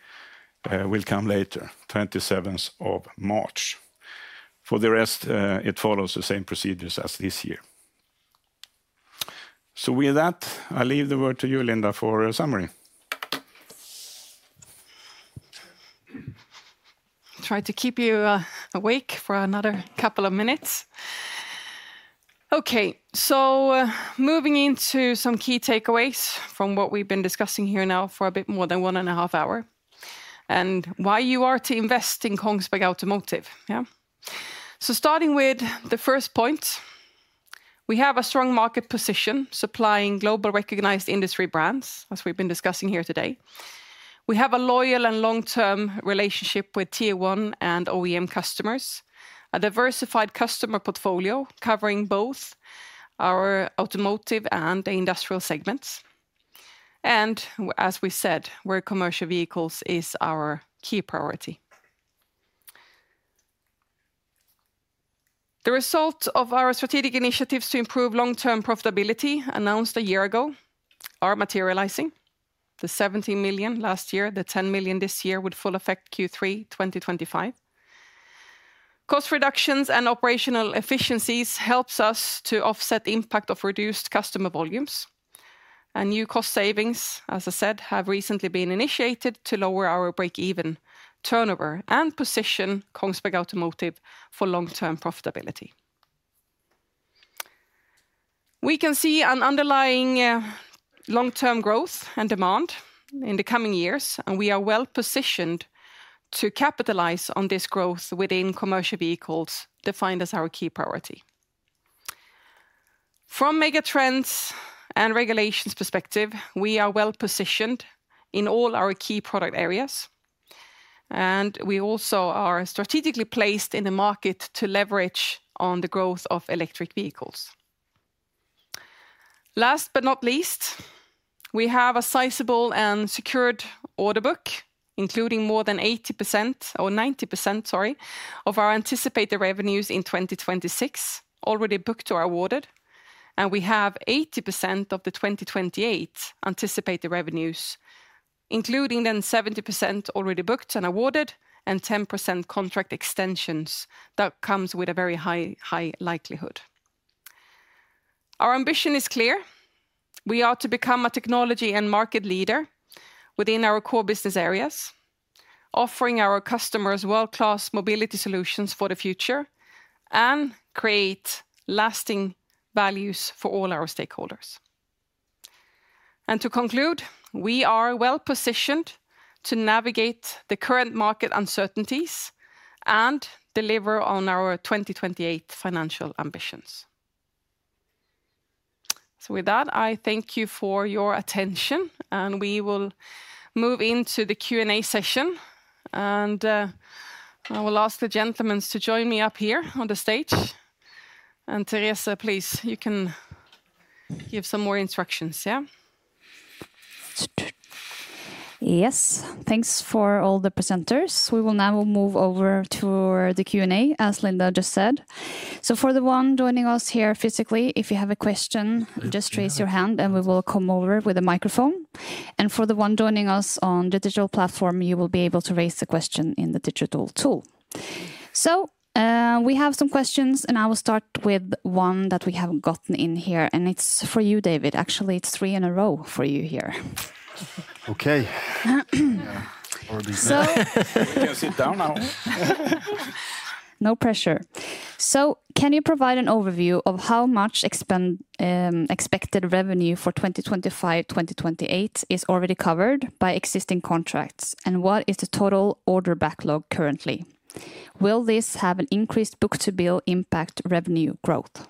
Speaker 5: will come later, on the 27th of March. For the rest, it follows the same procedures as this year so with that, I leave the word to you, Linda, for a summary.
Speaker 2: Try to keep you awake for another couple of minutes. Okay, so moving into some key takeaways from what we've been discussing here now for a bit more than one and a half hour. Why you are to invest in Kongsberg Automotive. Starting with the first point, we have a strong market position supplying globally recognized industry brands, as we've been discussing here today. We have a loyal and long-term relationship with Tier 1 and OEM customers, a diversified customer portfolio covering both our automotive and industrial segments. As we said, commercial vehicles is our key priority. The result of our strategic initiatives to improve long-term profitability announced a year ago are materializing. The 17 million last year, the 10 million this year with full effect Q3 2025. Cost reductions and operational efficiencies help us to offset the impact of reduced customer volumes. New cost savings, as I said, have recently been initiated to lower our break-even turnover and position Kongsberg Automotive for long-term profitability. We can see an underlying long-term growth and demand in the coming years. We are well positioned to capitalize on this growth within commercial vehicles defined as our key priority. From megatrends and regulations perspective, we are well positioned in all our key product areas. We also are strategically placed in the market to leverage on the growth of electric vehicles. Last but not least, we have a sizable and secured order book, including more than 80% or 90%, sorry, of our anticipated revenues in 2026 already booked or awarded. We have 80% of the 2028 anticipated revenues, including then 70% already booked and awarded and 10% contract extensions that come with a very high likelihood. Our ambition is clear. We are to become a technology and market leader within our core business areas, offering our customers world-class mobility solutions for the future and create lasting values for all our stakeholders. And to conclude, we are well positioned to navigate the current market uncertainties and deliver on our 2028 financial ambitions. So with that, I thank you for your attention. And we will move into the Q&A session. And I will ask the gentlemen to join me up here on the stage. And Therese, please, you can give some more instructions. Yeah?
Speaker 1: Yes. Thanks for all the presenters. We will now move over to the Q&A, as Linda just said. So for the one joining us here physically, if you have a question, just raise your hand and we will come over with a microphone. And for the one joining us on the digital platform, you will be able to raise the question in the digital tool. So we have some questions, and I will start with one that we haven't gotten in here. And it's for you, David. Actually, it's three in a row for you here.
Speaker 3: Okay.
Speaker 5: So can I sit down now?
Speaker 2: No pressure. So can you provide an overview of how much expected revenue for 2025-2028 is already covered by existing contracts? And what is the total order backlog currently? Will this have an increased book-to-bill impact revenue growth?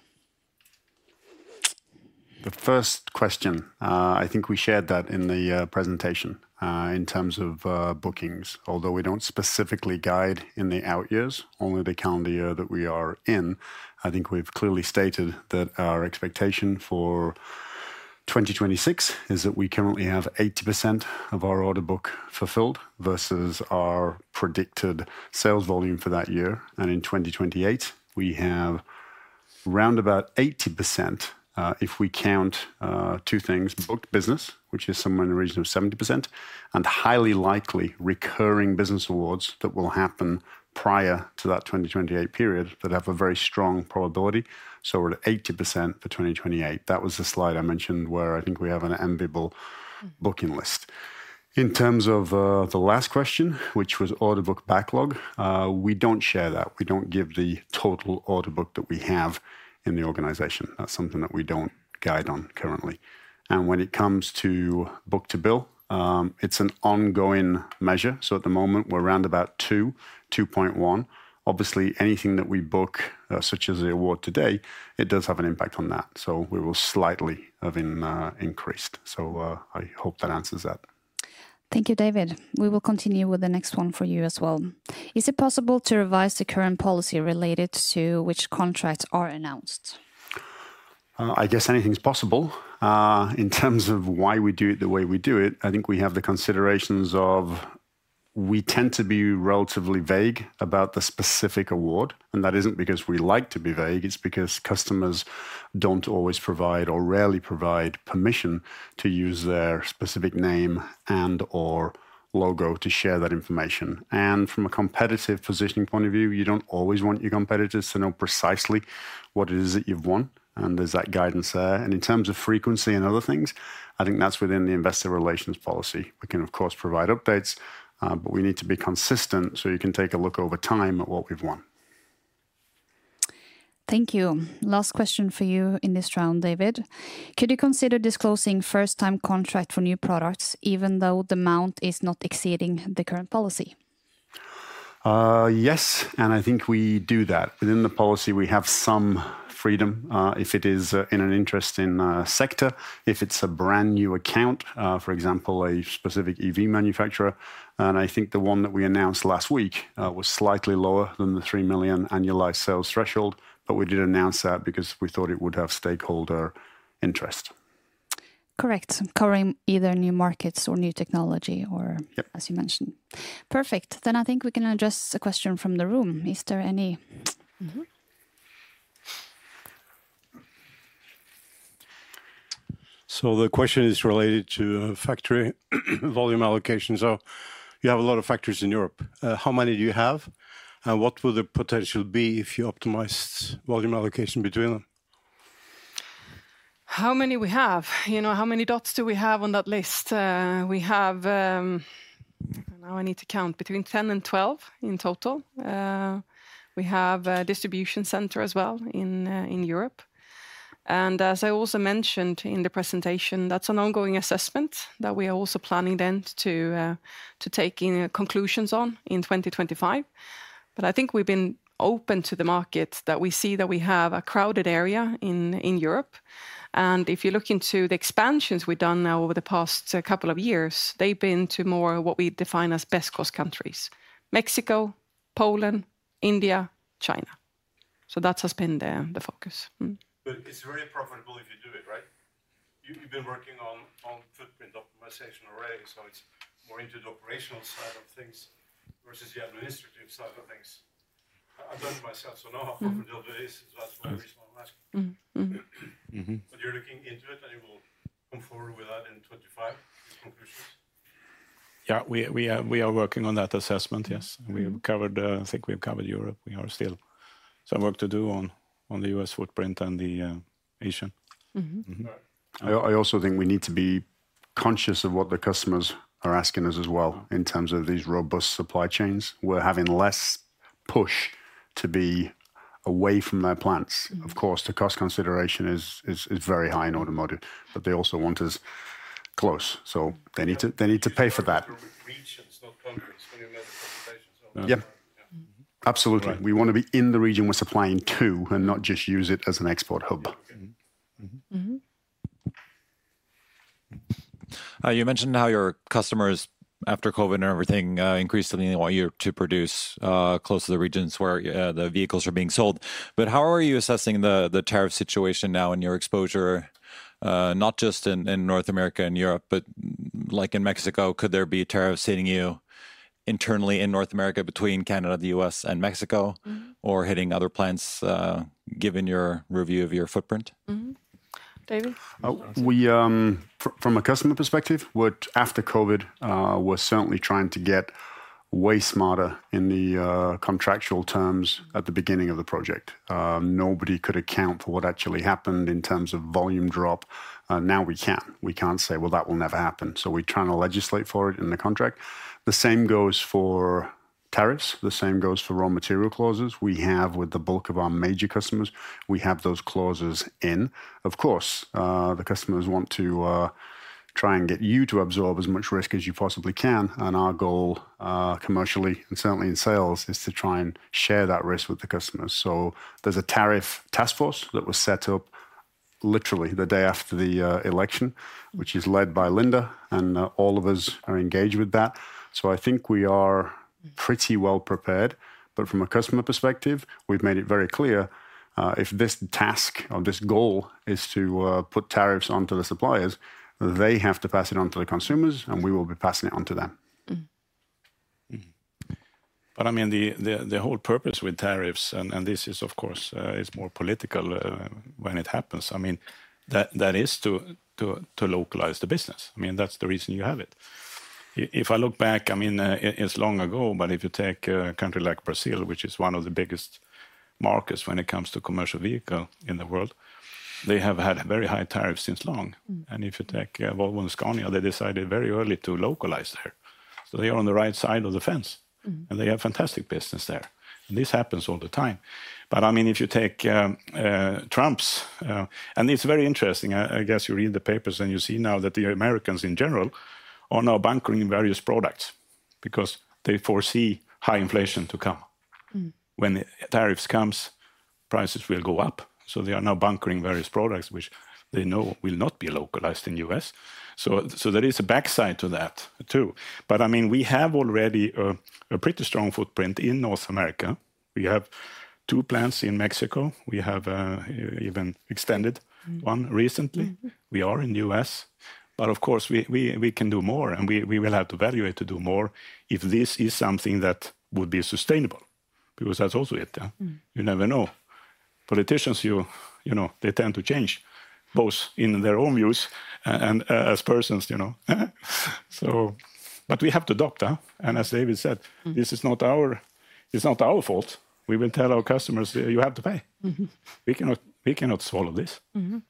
Speaker 3: The first question, I think we shared that in the presentation in terms of bookings. Although we don't specifically guide in the out years, only the calendar year that we are in, I think we've clearly stated that our expectation for 2026 is that we currently have 80% of our order book fulfilled versus our predicted sales volume for that year. And in 2028, we have round about 80% if we count two things: booked business, which is somewhere in the region of 70%, and highly likely recurring business awards that will happen prior to that 2028 period that have a very strong probability. So we're at 80% for 2028. That was the slide I mentioned where I think we have an enviable booking list. In terms of the last question, which was order book backlog, we don't share that. We don't give the total order book that we have in the organization. That's something that we don't guide on currently. And when it comes to book-to-bill, it's an ongoing measure. So at the moment, we're round about 2, 2.1. Obviously, anything that we book, such as the award today, it does have an impact on that. So we will slightly have increased. So I hope that answers that.
Speaker 2: Thank you David. We will continue with the next one for you as well. Is it possible to revise the current policy related to which contracts are announced?
Speaker 3: I guess anything's possible. In terms of why we do it the way we do it, I think we have the considerations of we tend to be relatively vague about the specific award. And that isn't because we like to be vague. It's because customers don't always provide or rarely provide permission to use their specific name and/or logo to share that information. And from a competitive positioning point of view, you don't always want your competitors to know precisely what it is that you've won. And there's that guidance there. And in terms of frequency and other things, I think that's within the investor relations policy. We can, of course, provide updates, but we need to be consistent so you can take a look over time at what we've won.
Speaker 2: Thank you. Last question for you in this round, David. Could you consider disclosing first-time contract for new products even though the amount is not exceeding the current policy?
Speaker 3: Yes, and I think we do that. Within the policy, we have some freedom if it is in an interesting sector, if it's a brand new account, for example, a specific EV manufacturer. And I think the one that we announced last week was slightly lower than the three million annualized sales threshold, but we did announce that because we thought it would have stakeholder interest.
Speaker 2: Correct. Covering either new markets or new technology or, as you mentioned. Perfect. Then I think we can address a question from the room. Is there any?
Speaker 6: So the question is related to factory volume allocation. So you have a lot of factories in Europe. How many do you have? And what would the potential be if you optimized volume allocation between them? How many we have? You know, how many dots do we have on that list? We have, now I need to count, between 10 and 12 in total. We have a distribution center as well in Europe. And as I also mentioned in the presentation, that's an ongoing assessment that we are also planning then to take in conclusions on in 2025. But I think we've been open to the market that we see that we have a crowded area in Europe. And if you look into the expansions we've done now over the past couple of years, they've been to more of what we define as best-cost countries: Mexico, Poland, India, China. So that's what has been the focus.
Speaker 5: But it's very profitable if you do it, right? You've been working on footprint optimization already, so it's more into the operational side of things versus the administrative side of things. I've done it myself, so I know how profitable it is. That's why I'm asking. But you're looking into it and you will come forward with that in 2025, these conclusions?
Speaker 3: Yeah, we are working on that assessment, yes. And we have covered, I think we've covered Europe. We still have some work to do on the U.S. footprint and the Asian. I also think we need to be conscious of what the customers are asking us as well in terms of these robust supply chains. We're having less push to be away from their plants. Of course, the cost consideration is very high in automotive, but they also want us close. So they need to pay for that. Region, not countries.
Speaker 6: Can you make the presentation?
Speaker 3: Yeah, absolutely. We want to be in the region we're supplying to and not just use it as an export hub.
Speaker 6: You mentioned how your customers, after COVID and everything, increased the need to produce close to the regions where the vehicles are being sold. But how are you assessing the tariff situation now in your exposure, not just in North America and Europe, but like in Mexico? Could there be tariffs hitting you internally in North America between Canada, the U.S., and Mexico, or hitting other plants, given your review of your footprint?
Speaker 2: David?
Speaker 3: From a customer perspective, after COVID, we're certainly trying to get way smarter in the contractual terms at the beginning of the project. Nobody could account for what actually happened in terms of volume drop. Now we can. We can't say, well, that will never happen. So we're trying to legislate for it in the contract. The same goes for tariffs. The same goes for raw material clauses. We have, with the bulk of our major customers, we have those clauses in. Of course, the customers want to try and get you to absorb as much risk as you possibly can. And our goal commercially and certainly in sales is to try and share that risk with the customers. So there's a tariff task force that was set up literally the day after the election, which is led by Linda, and all of us are engaged with that. So I think we are pretty well prepared. But from a customer perspective, we've made it very clear if this task or this goal is to put tariffs onto the suppliers, they have to pass it on to the consumers, and we will be passing it on to them. But I mean, the whole purpose with tariffs, and this is, of course, it's more political when it happens. I mean, that is to localize the business. I mean, that's the reason you have it. If I look back, I mean, it's long ago, but if you take a country like Brazil, which is one of the biggest markets when it comes to commercial vehicles in the world, they have had very high tariffs since long. And if you take Volvo and Scania, they decided very early to localize there. So they are on the right side of the fence, and they have fantastic business there. This happens all the time. But I mean, if you take Trump's, and it's very interesting, I guess you read the papers and you see now that the Americans in general are now bunkering various products because they foresee high inflation to come. When tariffs come, prices will go up. So they are now bunkering various products, which they know will not be localized in the U.S. So there is a downside to that too. But I mean, we have already a pretty strong footprint in North America. We have two plants in Mexico. We have even extended one recently. We are in the U.S. But of course, we can do more, and we will have to evaluate to do more if this is something that would be sustainable, because that's also it. You never know.
Speaker 4: Politicians, you know, they tend to change both in their own views and as persons, you know. But we have to adopt. And as David said, this is not our fault. We will tell our customers, you have to pay. We cannot swallow this. But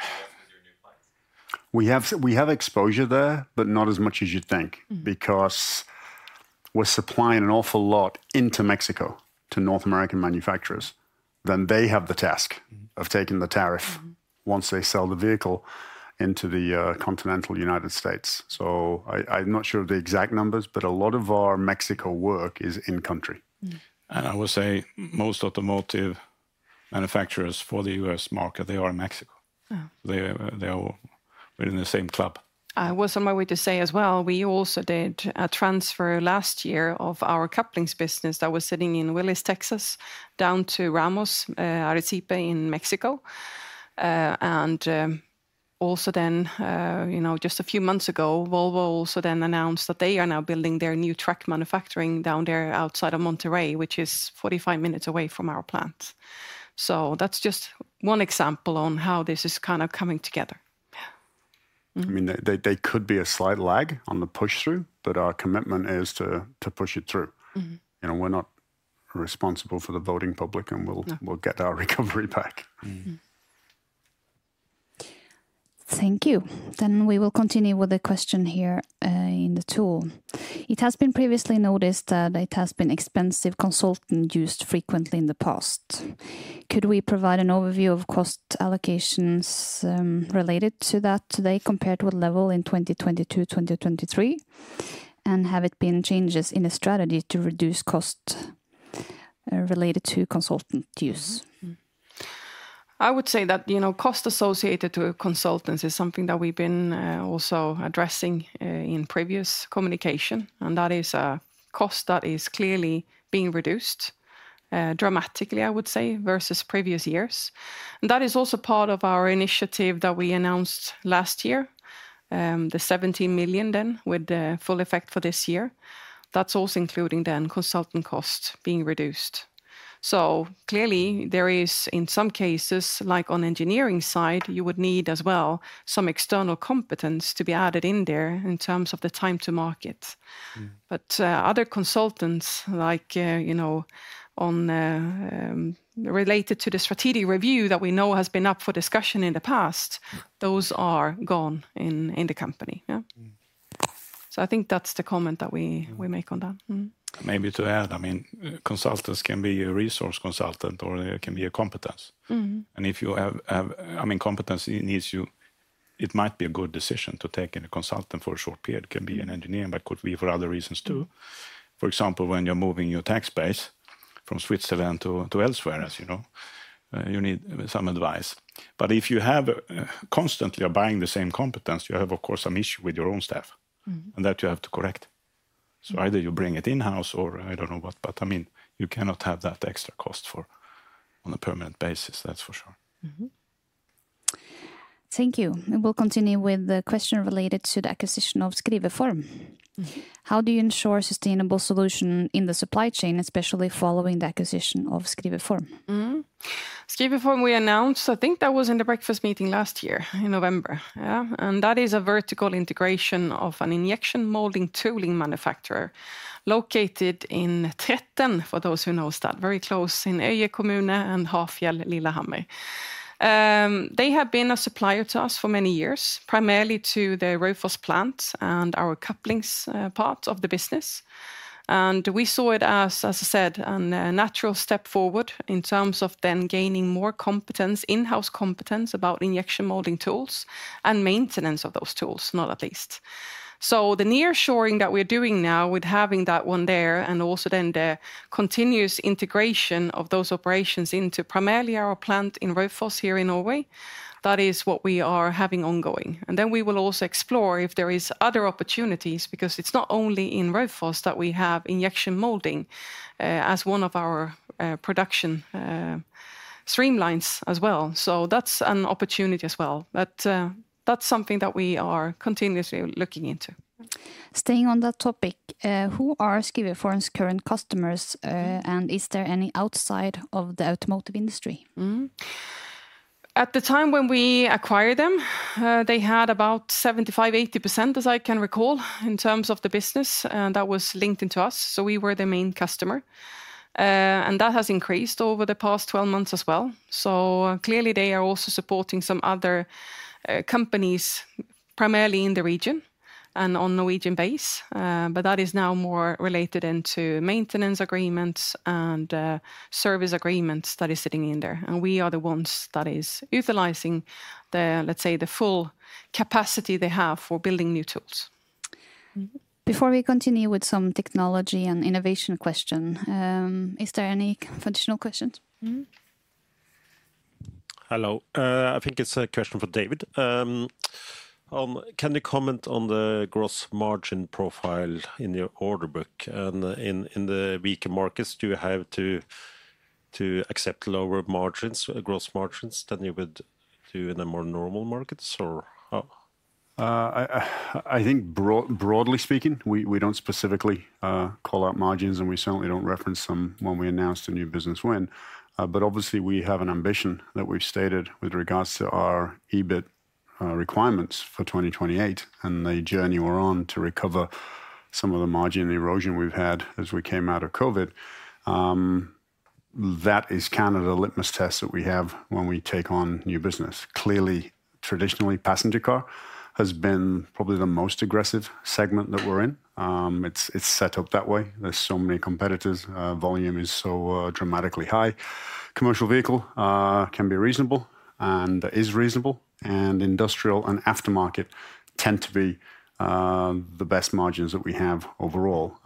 Speaker 4: could you risk being on literally the wrong side of the fence in Mexico and not being in the U.S. with your new plants? We have exposure there, but not as much as you'd think, because we're supplying an awful lot into Mexico to North American manufacturers. Then they have the task of taking the tariff once they sell the vehicle into the continental United States. So I'm not sure of the exact numbers, but a lot of our Mexico work is in-country. And I will say most automotive manufacturers for the U.S. market, they are in Mexico. They are within the same club.
Speaker 2: I was on my way to say as well, we also did a transfer last year of our couplings business that was sitting in Willis, Texas, down to Ramos Arizpe, in Mexico, and also then, you know, just a few months ago, Volvo also then announced that they are now building their new truck manufacturing down there outside of Monterrey, which is 45 minutes away from our plant, so that's just one example on how this is kind of coming together. I mean, there could be a slight lag on the push through, but our commitment is to push it through.
Speaker 4: You know, we're not responsible for the voting public, and we'll get our recovery back.
Speaker 2: Thank you, then we will continue with the question here in the tool. It has been previously noticed that it has been expensive consultant used frequently in the past. Could we provide an overview of cost allocations related to that today compared with level in 2022-2023? And have it been changes in a strategy to reduce cost related to consultant use? I would say that, you know, cost associated to consultants is something that we've been also addressing in previous communication. And that is a cost that is clearly being reduced dramatically, I would say, versus previous years. And that is also part of our initiative that we announced last year, the 17 million then with the full effect for this year. That's also including then consultant costs being reduced. So clearly, there is in some cases, like on engineering side, you would need as well some external competence to be added in there in terms of the time to market. Other consultants, like, you know, related to the strategic review that we know has been up for discussion in the past, those are gone in the company. I think that's the comment that we make on that.
Speaker 4: Maybe to add, I mean, consultants can be a resource consultant or it can be a competence. If you have, I mean, competency needs you, it might be a good decision to take in a consultant for a short period. It can be an engineer, but it could be for other reasons too. For example, when you're moving your tax base from Switzerland to elsewhere, as you know, you need some advice. If you have constantly buying the same competence, you have, of course, some issue with your own staff and that you have to correct. So either you bring it in-house or I don't know what, but I mean, you cannot have that extra cost for on a permanent basis, that's for sure.
Speaker 1: Thank you. We will continue with the question related to the acquisition of Skriverform. How do you ensure sustainable solution in the supply chain, especially following the acquisition of Skriverform?
Speaker 2: Skriverform we announced, I think that was in the breakfast meeting last year in November. And that is a vertical integration of an injection molding tooling manufacturer located in Tretten, for those who know that, very close in Øyer and Hafjell Lillehammer. They have been a supplier to us for many years, primarily to the Raufoss plant and our couplings part of the business. We saw it as, as I said, a natural step forward in terms of then gaining more competence, in-house competence about injection molding tools and maintenance of those tools, not least. So the nearshoring that we're doing now with having that one there and also then the continuous integration of those operations into primarily our plant in Raufoss here in Norway, that is what we are having ongoing. And then we will also explore if there are other opportunities because it's not only in Raufoss that we have injection molding as one of our production streamlines as well. So that's an opportunity as well. That's something that we are continuously looking into. Staying on that topic, who are Skriverform's current customers and is there any outside of the automotive industry? At the time when we acquired them, they had about 75%-80%, as I can recall, in terms of the business, and that was linked in to us. So we were the main customer. And that has increased over the past 12 months as well. So clearly, they are also supporting some other companies primarily in the region and on Norwegian base. But that is now more related to maintenance agreements and service agreements that are sitting in there. And we are the ones that are utilizing the, let's say, the full capacity they have for building new tools.
Speaker 1: Before we continue with some technology and innovation question, is there any additional questions?
Speaker 6: Hello. I think it's a question for David. Can you comment on the gross margin profile in your order book? And in the weaker markets, do you have to accept lower margins, gross margins than you would do in a more normal markets or how? I think broadly speaking, we don't specifically call out margins and we certainly don't reference them when we announced a new business win. But obviously, we have an ambition that we've stated with regards to our EBIT requirements for 2028 and the journey we're on to recover some of the margin erosion we've had as we came out of COVID. That is kind of the litmus test that we have when we take on new business. Clearly, traditionally, passenger car has been probably the most aggressive segment that we're in. It's set up that way. There's so many competitors. Volume is so dramatically high. Commercial vehicle can be reasonable and is reasonable. Industrial and aftermarket tend to be the best margins that we have overall,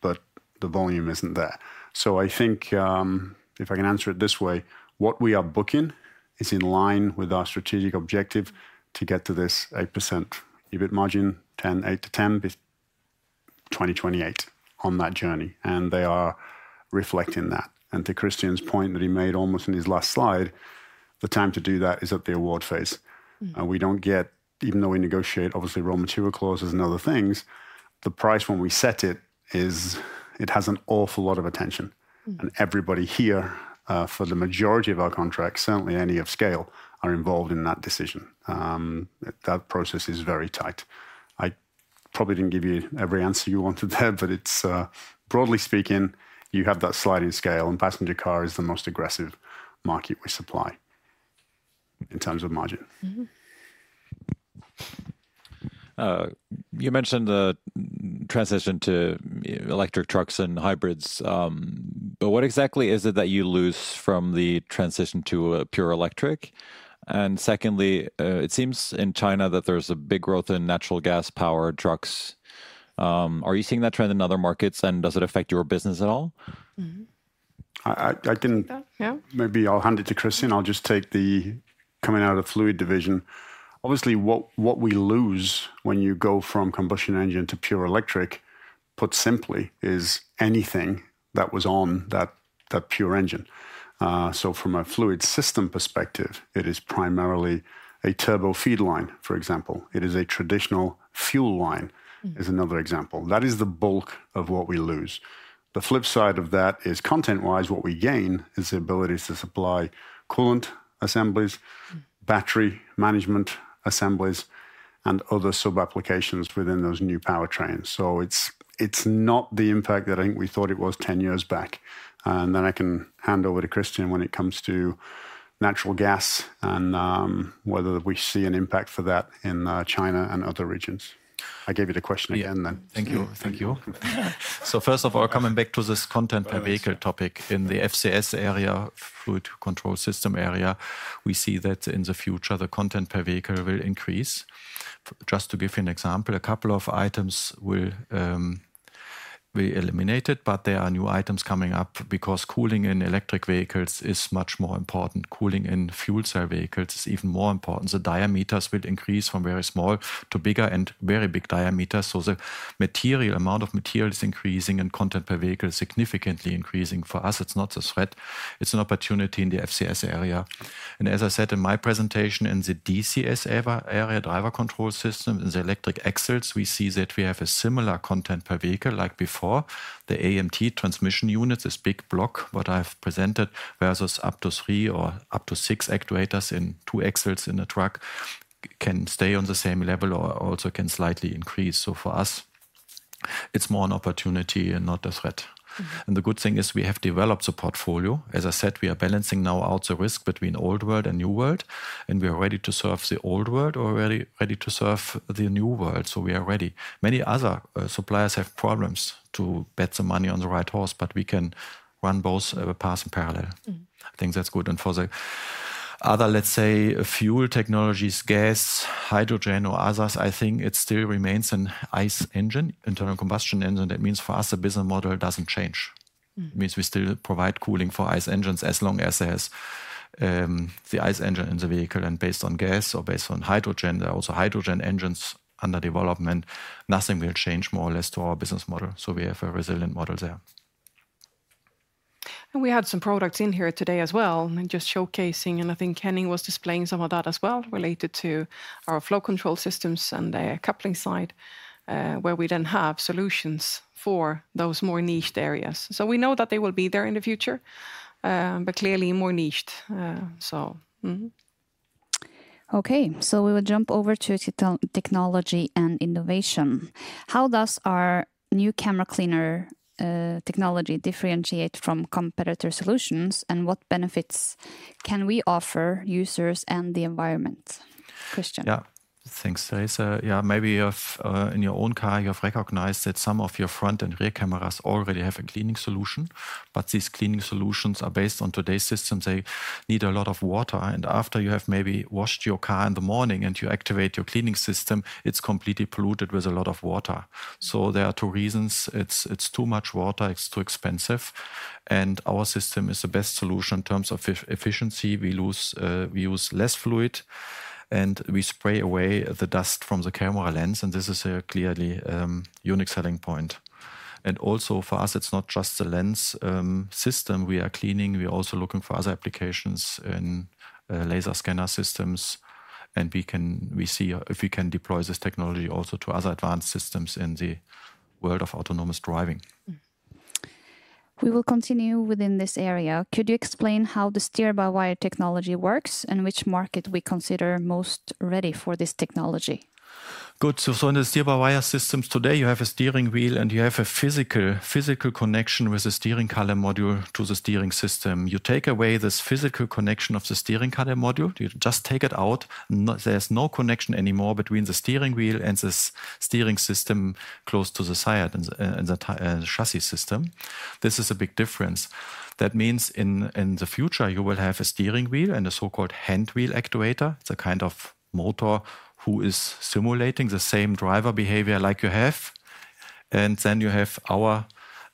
Speaker 6: but the volume isn't there. So I think if I can answer it this way, what we are booking is in line with our strategic objective to get to this 8%-10% EBIT margin, 2028 on that journey. And they are reflecting that. And to Christian's point that he made almost in his last slide, the time to do that is at the award phase. And we don't get, even though we negotiate, obviously, raw material clauses and other things, the price when we set it is. It has an awful lot of attention. And everybody here for the majority of our contracts, certainly any of scale, are involved in that decision. That process is very tight. I probably didn't give you every answer you wanted there, but it's broadly speaking, you have that sliding scale and passenger car is the most aggressive market we supply in terms of margin. You mentioned the transition to electric trucks and hybrids, but what exactly is it that you lose from the transition to a pure electric? And secondly, it seems in China that there's a big growth in natural gas powered trucks. Are you seeing that trend in other markets and does it affect your business at all? I didn't, maybe I'll hand it to Christian. I'll just take the coming out of fluid division. Obviously, what we lose when you go from combustion engine to pure electric, put simply, is anything that was on that pure engine. So from a fluid system perspective, it is primarily a turbo feed line, for example. It is a traditional fuel line, is another example. That is the bulk of what we lose. The flip side of that is content-wise, what we gain is the ability to supply coolant assemblies, battery management assemblies, and other sub-applications within those new powertrains. So it's not the impact that I think we thought it was 10 years back. And then I can hand over to Christian when it comes to natural gas and whether we see an impact for that in China and other regions. I gave you the question again then. Thank you.
Speaker 4: Thank you. So first of all, coming back to this content per vehicle topic in the FCS area, fluid control system area, we see that in the future, the content per vehicle will increase. Just to give you an example, a couple of items will be eliminated, but there are new items coming up because cooling in electric vehicles is much more important. Cooling in fuel cell vehicles is even more important. The diameters will increase from very small to bigger and very big diameters. So the amount of material is increasing and content per vehicle is significantly increasing. For us, it's not a threat. It's an opportunity in the FCS area. And as I said in my presentation in the DCS area drive control system, in the electric axles, we see that we have a similar content per vehicle like before. The AMT transmission units, this big block, what I have presented versus up to three or up to six actuators in two axles in a truck can stay on the same level or also can slightly increase. So for us, it's more an opportunity and not a threat. And the good thing is we have developed a portfolio. As I said, we are balancing now out the risk between old world and new world. And we are ready to serve the old world, already ready to serve the new world. So we are ready. Many other suppliers have problems to bet the money on the right horse, but we can run both paths and parallel. I think that's good. And for the other, let's say, fuel technologies, gas, hydrogen or others, I think it still remains an ICE engine, internal combustion engine. That means for us, the business model doesn't change. It means we still provide cooling for ICE engines as long as there's the ICE engine in the vehicle and based on gas or based on hydrogen. There are also hydrogen engines under development.
Speaker 2: Nothing will change more or less to our business model, so we have a resilient model there, and we had some products in here today as well, just showcasing, and I think Kenny was displaying some of that as well related to our Flow Control Systems and the coupling side where we then have solutions for those more niched areas, so we know that they will be there in the future, but clearly more niched.
Speaker 1: Okay, so we will jump over to technology and innovation. How does our new camera cleaner technology differentiate from competitor solutions and what benefits can we offer users and the environment? Christian.
Speaker 4: Yeah, thanks Therese. Yeah, maybe you have in your own car, you have recognized that some of your front and rear cameras already have a cleaning solution, but these cleaning solutions are based on today's systems. They need a lot of water. After you have maybe washed your car in the morning and you activate your cleaning system, it's completely polluted with a lot of water. There are two reasons. It's too much water. It's too expensive. Our system is the best solution in terms of efficiency. We use less fluid and we spray away the dust from the camera lens. This is a clearly unique selling point. Also for us, it's not just the lens system we are cleaning. We are also looking for other applications in laser scanner systems. We can see if we can deploy this technology also to other advanced systems in the world of autonomous driving.
Speaker 1: We will continue within this area. Could you explain how the Steer-by-wire technology works and which market we consider most ready for this technology?
Speaker 4: Good. So in the steer-by-wire systems today, you have a steering wheel and you have a physical connection with the steering column module to the steering system. You take away this physical connection of the steering column module. You just take it out. There's no connection anymore between the steering wheel and this steering system close to the side and the chassis system. This is a big difference. That means in the future, you will have a steering wheel and a so-called handwheel actuator. It's a kind of motor who is simulating the same driver behavior like you have. And then you have our,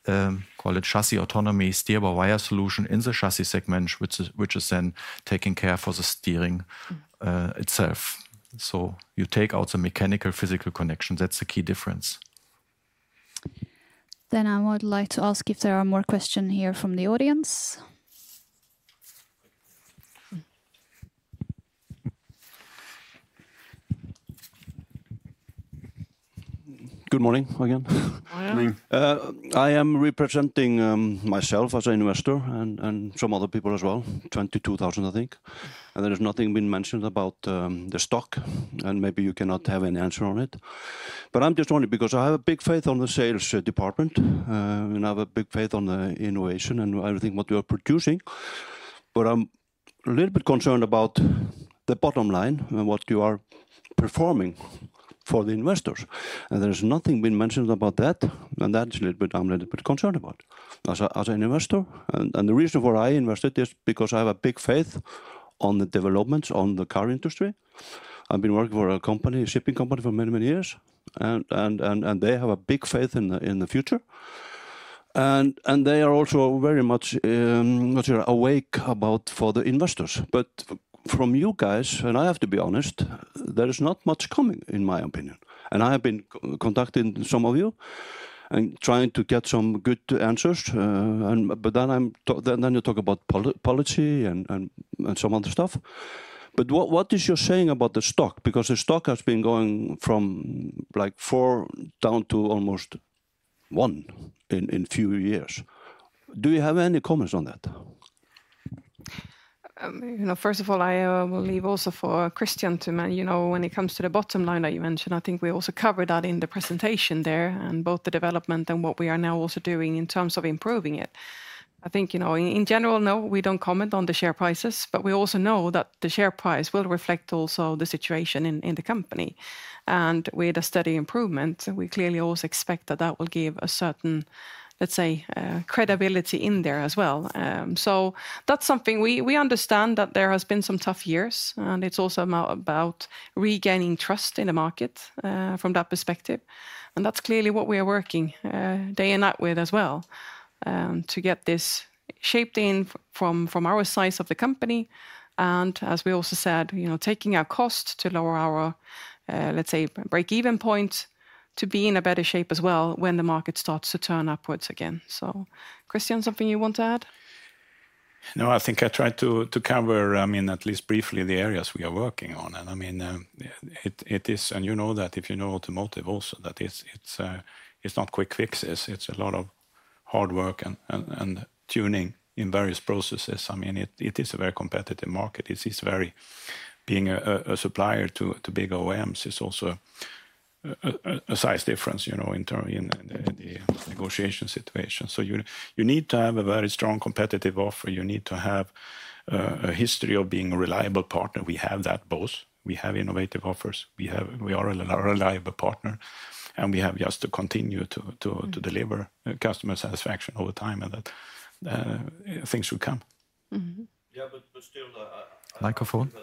Speaker 4: call it Chassis Autonomy, steer-by-wire solution in the chassis segment, which is then taking care for the steering itself. So you take out the mechanical physical connection. That's the key difference.
Speaker 1: Then I would like to ask if there are more questions here from the audience.
Speaker 7: Good morning again. Good morning. I am representing myself as an investor and some other people as well, 22,000 I think. There has nothing been mentioned about the stock, and maybe you cannot have any answer on it. But I'm just only because I have a big faith on the sales department and I have a big faith on the innovation and everything what we are producing. But I'm a little bit concerned about the bottom line and what you are performing for the investors. There's nothing been mentioned about that, and that's a little bit I'm a little bit concerned about as an investor. The reason for I invested is because I have a big faith on the developments on the car industry. I've been working for a company, a shipping company for many, many years, and they have a big faith in the future.
Speaker 2: They are also very much aware about the investors. But from you guys, and I have to be honest, there is not much coming in my opinion. And I have been contacting some of you and trying to get some good answers. But then you talk about policy and some other stuff. But what are you saying about the stock? Because the stock has been going from like four down to almost one in a few years. Do you have any comments on that? First of all, I will leave it also for Christian to mention, you know, when it comes to the bottom line that you mentioned. I think we also covered that in the presentation there and both the development and what we are now also doing in terms of improving it. I think, you know, in general, no, we don't comment on the share prices, but we also know that the share price will reflect also the situation in the company. And with a steady improvement, we clearly also expect that that will give a certain, let's say, credibility in there as well. So that's something we understand that there has been some tough years. And it's also about regaining trust in the market from that perspective. And that's clearly what we are working day and night with as well to get this shaped in from our side of the company. And as we also said, you know, taking our cost to lower our, let's say, break-even point to be in a better shape as well when the market starts to turn upwards again. So, Christian, something you want to add?
Speaker 5: No, I think I tried to cover, I mean, at least briefly the areas we are working on. And I mean, it is, and you know that if you know automotive also, that it's not quick fixes. It's a lot of hard work and tuning in various processes. I mean, it is a very competitive market. It is very, being a supplier to big OEMs, it's also a size difference, you know, in the negotiation situation. So you need to have a very strong competitive offer. You need to have a history of being a reliable partner. We have that both. We have innovative offers. We are a reliable partner. And we have just to continue to deliver customer satisfaction over time and that things should come. Yeah, but still. Microphone. I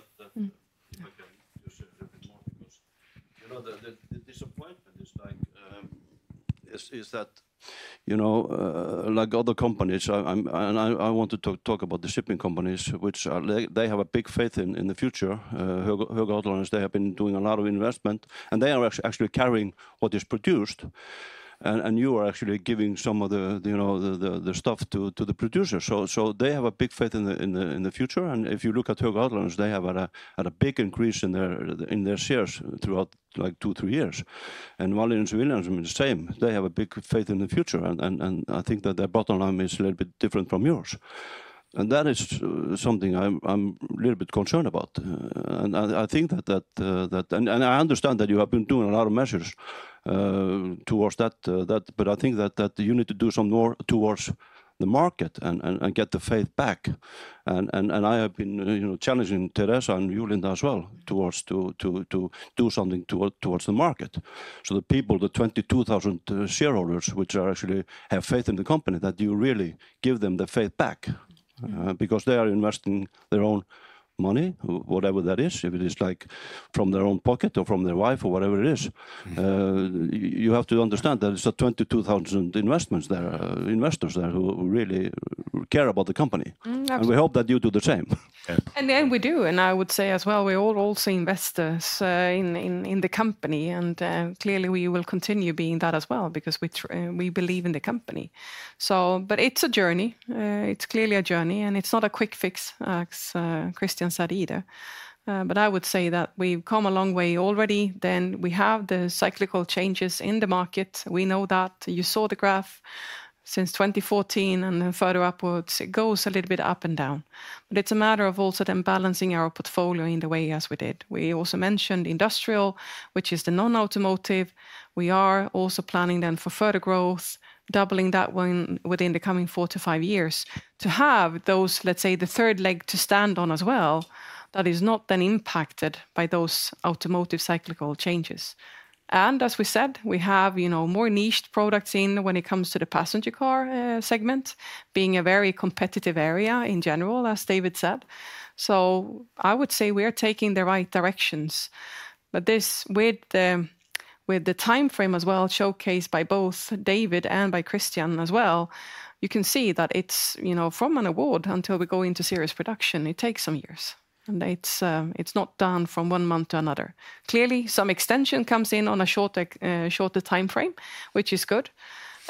Speaker 5: can just say a little bit more because, you know, the disappointment is like is that, you know, like other companies, and I want to talk about the shipping companies, which they have a big faith in the future. Höegh Autoliners, they have been doing a lot of investment, and they are actually carrying what is produced. And you are actually giving some of the, you know, the stuff to the producers. So they have a big faith in the future. And if you look at Höegh Autoliners, they have had a big increase in their shares throughout like two, three years. And Wallenius Wilhelmsen has been the same. They have a big faith in the future. And I think that their bottom line is a little bit different from yours. And that is something I'm a little bit concerned about. And I think that, and I understand that you have been doing a lot of measures towards that, but I think that you need to do some more towards the market and get the faith back. And I have been challenging Therese and Julian as well towards doing something towards the market. So the people, the 22,000 shareholders, which actually have faith in the company, that you really give them the faith back because they are investing their own money, whatever that is, if it is like from their own pocket or from their wife or whatever it is. You have to understand that it's 22,000 investments there, investors there who really care about the company. And we hope that you do the same.
Speaker 2: And we do. And I would say as well, we are all also investors in the company. Clearly, we will continue being that as well because we believe in the company. But it's a journey. It's clearly a journey. It's not a quick fix, as Christian said either. I would say that we've come a long way already. We have the cyclical changes in the market. We know that you saw the graph since 2014 and then further upwards. It goes a little bit up and down. It's a matter of also then balancing our portfolio in the way as we did. We also mentioned industrial, which is the non-automotive. We are also planning then for further growth, doubling that one within the coming four to five years to have those, let's say, the third leg to stand on as well that is not then impacted by those automotive cyclical changes. As we said, we have, you know, more niched products in when it comes to the passenger car segment being a very competitive area in general, as David said. So I would say we are taking the right directions. But this with the time frame as well showcased by both David and by Christian as well, you can see that it's, you know, from an award until we go into serious production, it takes some years. And it's not done from one month to another. Clearly, some extension comes in on a shorter time frame, which is good.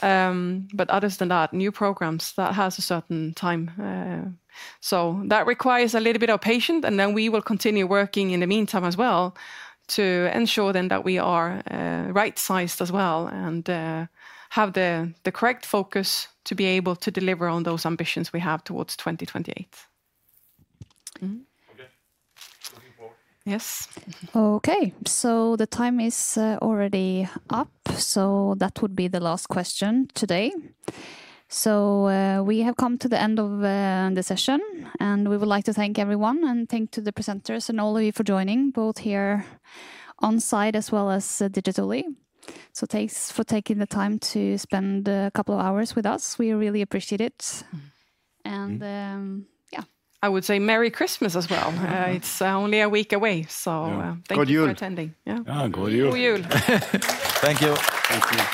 Speaker 2: But other than that, new programs that has a certain time. So that requires a little bit of patience. And then we will continue working in the meantime as well to ensure then that we are right sized as well and have the correct focus to be able to deliver on those ambitions we have towards 2028.
Speaker 1: Okay. Yes. Okay. So the time is already up. So that would be the last question today. So we have come to the end of the session. And we would like to thank everyone and thank the presenters and all of you for joining both here on site as well as digitally. So thanks for taking the time to spend a couple of hours with us. We really appreciate it. And yeah.
Speaker 2: I would say Merry Christmas as well. It's only a week away. So thank you for attending.
Speaker 5: Yeah. God Jul. Thank you.
Speaker 4: Thank you.